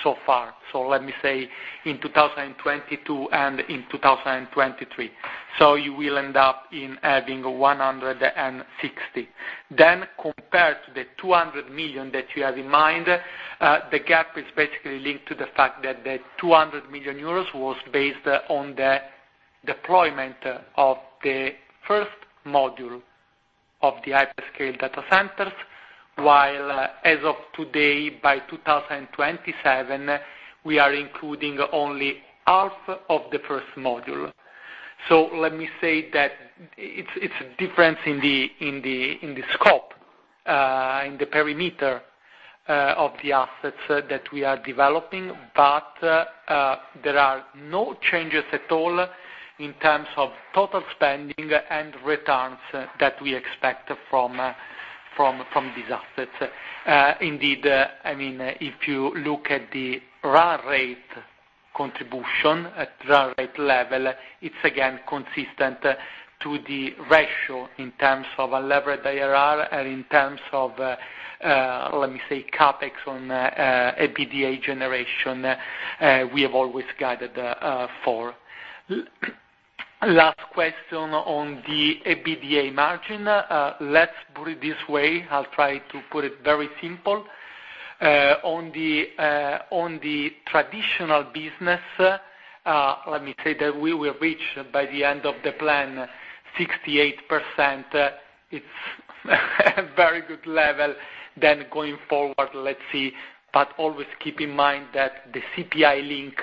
so far, so let me say, in 2022 and in 2023. So you will end up in adding 160. Then, compared to the 200 million that you have in mind, the gap is basically linked to the fact that the 200 million euros was based on the deployment of the first module of the hyperscale data centers, while as of today, by 2027, we are including only half of the first module. So let me say that it's a difference in the scope, in the perimeter, of the assets that we are developing, but there are no changes at all in terms of total spending and returns that we expect from these assets. Indeed, I mean, if you look at the run rate contribution, at run rate level, it's again consistent to the ratio in terms of a levered IRR and in terms of, let me say, CapEx on EBITDA generation, we have always guided for. Last question on the EBITDA margin. Let's put it this way, I'll try to put it very simple. On the traditional business, let me say that we will reach, by the end of the plan, 68%. It's a very good level. Then going forward, let's see, but always keep in mind that the CPI link,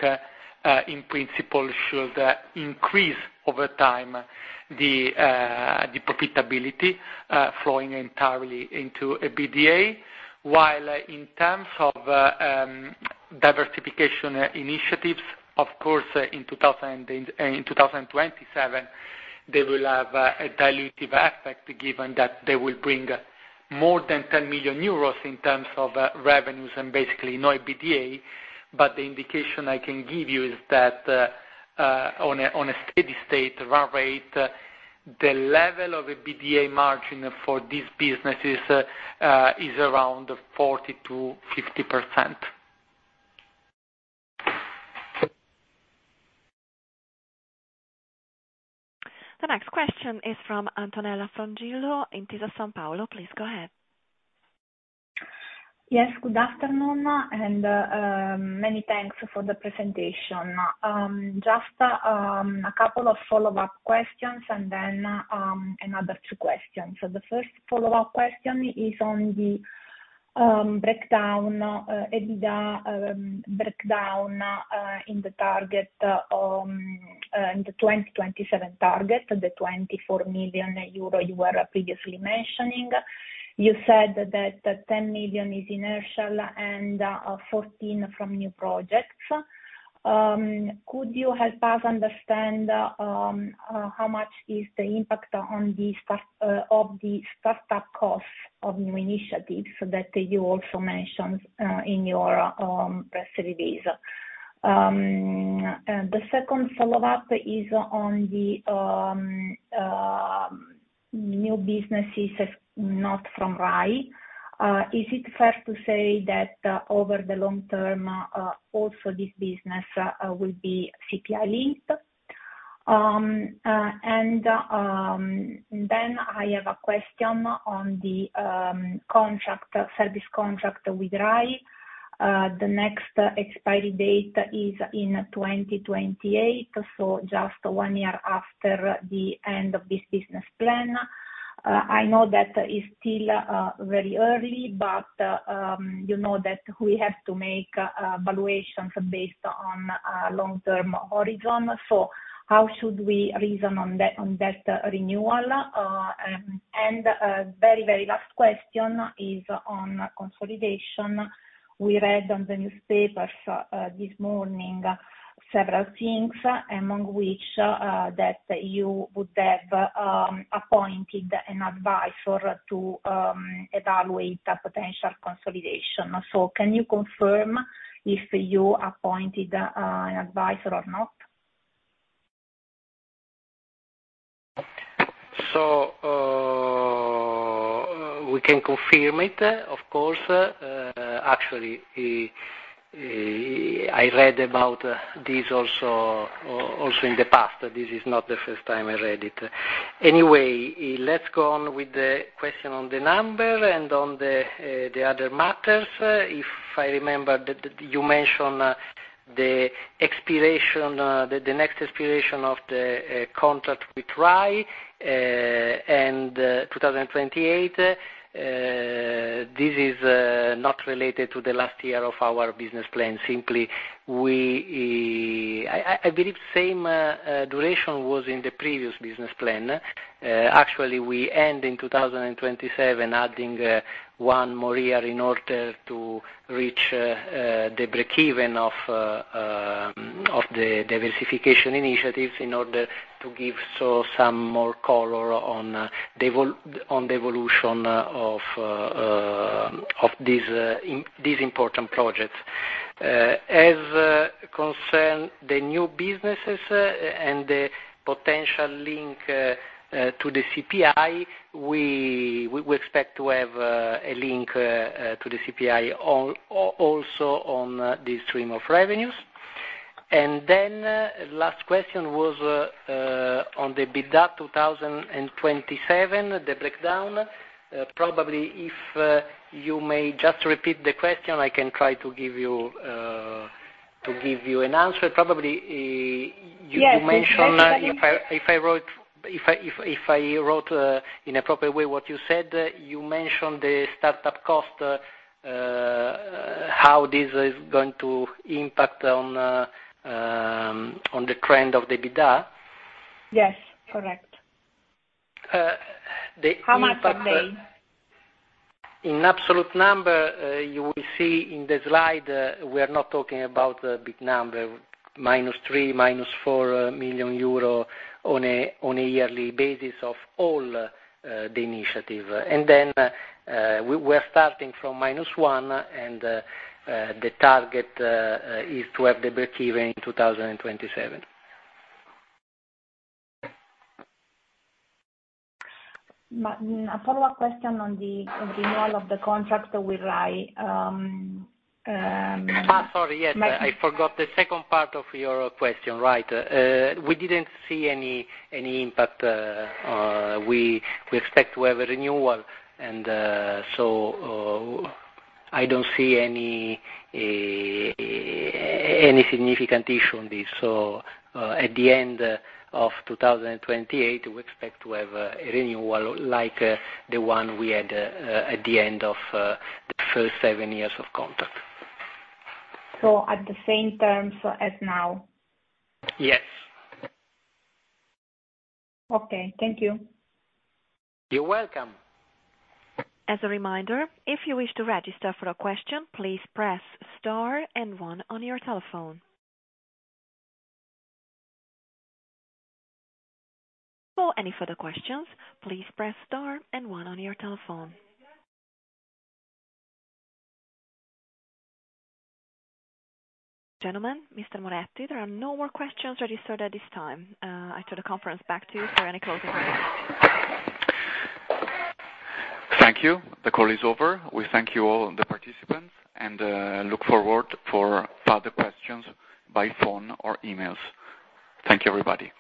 in principle, should increase over time, the profitability flowing entirely into EBITDA. While, in terms of, diversification initiatives, of course, in 2027, they will have a dilutive effect, given that they will bring more than 10 million euros in terms of revenues and basically no EBITDA. But the indication I can give you is that, on a steady-state run rate, the level of EBITDA margin for these businesses is around 40%-50%. The next question is from Antonella Frongillo, Intesa Sanpaolo. Please go ahead. Yes, good afternoon, and many thanks for the presentation. Just a couple of follow-up questions and then another two questions. So the first follow-up question is on the breakdown, EBITDA breakdown, in the target, in the 2027 target, the 24 million euro you were previously mentioning. You said that 10 million is inertial and 14 million from new projects. Could you help us understand how much is the impact on the start of the startup costs of new initiatives that you also mentioned in your press releases? The second follow-up is on the new businesses, not from RAI. Is it fair to say that over the long term also this business will be CPI linked? Then I have a question on the contract, service contract with RAI. The next expiry date is in 2028, so just one year after the end of this business plan. I know that it's still very early, but you know that we have to make valuations based on long-term horizon. So how should we reason on that, on that renewal? Very last question is on consolidation. We read on the newspapers this morning several things, among which that you would have appointed an advisor to evaluate a potential consolidation. So can you confirm if you appointed an advisor or not? So, we can confirm it, of course. Actually, I read about this also, also in the past. This is not the first time I read it. Anyway, let's go on with the question on the number and on the other matters. If I remember, you mentioned the expiration, the next expiration of the contract with RAI, and 2028. This is not related to the last year of our business plan. Simply, we... I believe same duration was in the previous business plan. Actually, we end in 2027, adding one more year in order to reach the breakeven of the diversification initiatives, in order to give so some more color on the evolution of these important projects. As concerns the new businesses and the potential link to the CPI, we expect to have a link to the CPI also on this stream of revenues. And then, last question was on the EBITDA 2027, the breakdown. Probably if you may just repeat the question, I can try to give you an answer. Probably, you mentioned- Yes. If I wrote in a proper way what you said, you mentioned the startup cost, how this is going to impact on the trend of the EBITDA? Yes, correct. the impact- How much are they? In absolute number, you will see in the slide, we are not talking about a big number, -3 million--4 million euro on a yearly basis of all the initiative. And then, we're starting from minus one, and the target is to have the breakeven in 2027. A follow-up question on the renewal of the contract with RAI? Ah, sorry, yes. I forgot the second part of your question. Right. We didn't see any impact. We expect to have a renewal, and so, I don't see any significant issue on this. So, at the end of 2028, we expect to have a renewal like the one we had at the end of the first seven years of contract. So at the same terms as now? Yes. Okay. Thank you. You're welcome. As a reminder, if you wish to register for a question, please press star and one on your telephone. For any further questions, please press star and one on your telephone. Gentlemen, Mr. Moretti, there are no more questions registered at this time. I turn the conference back to you for any closing remarks. Thank you. The call is over. We thank you, all the participants, and look forward for further questions by phone or emails. Thank you, everybody.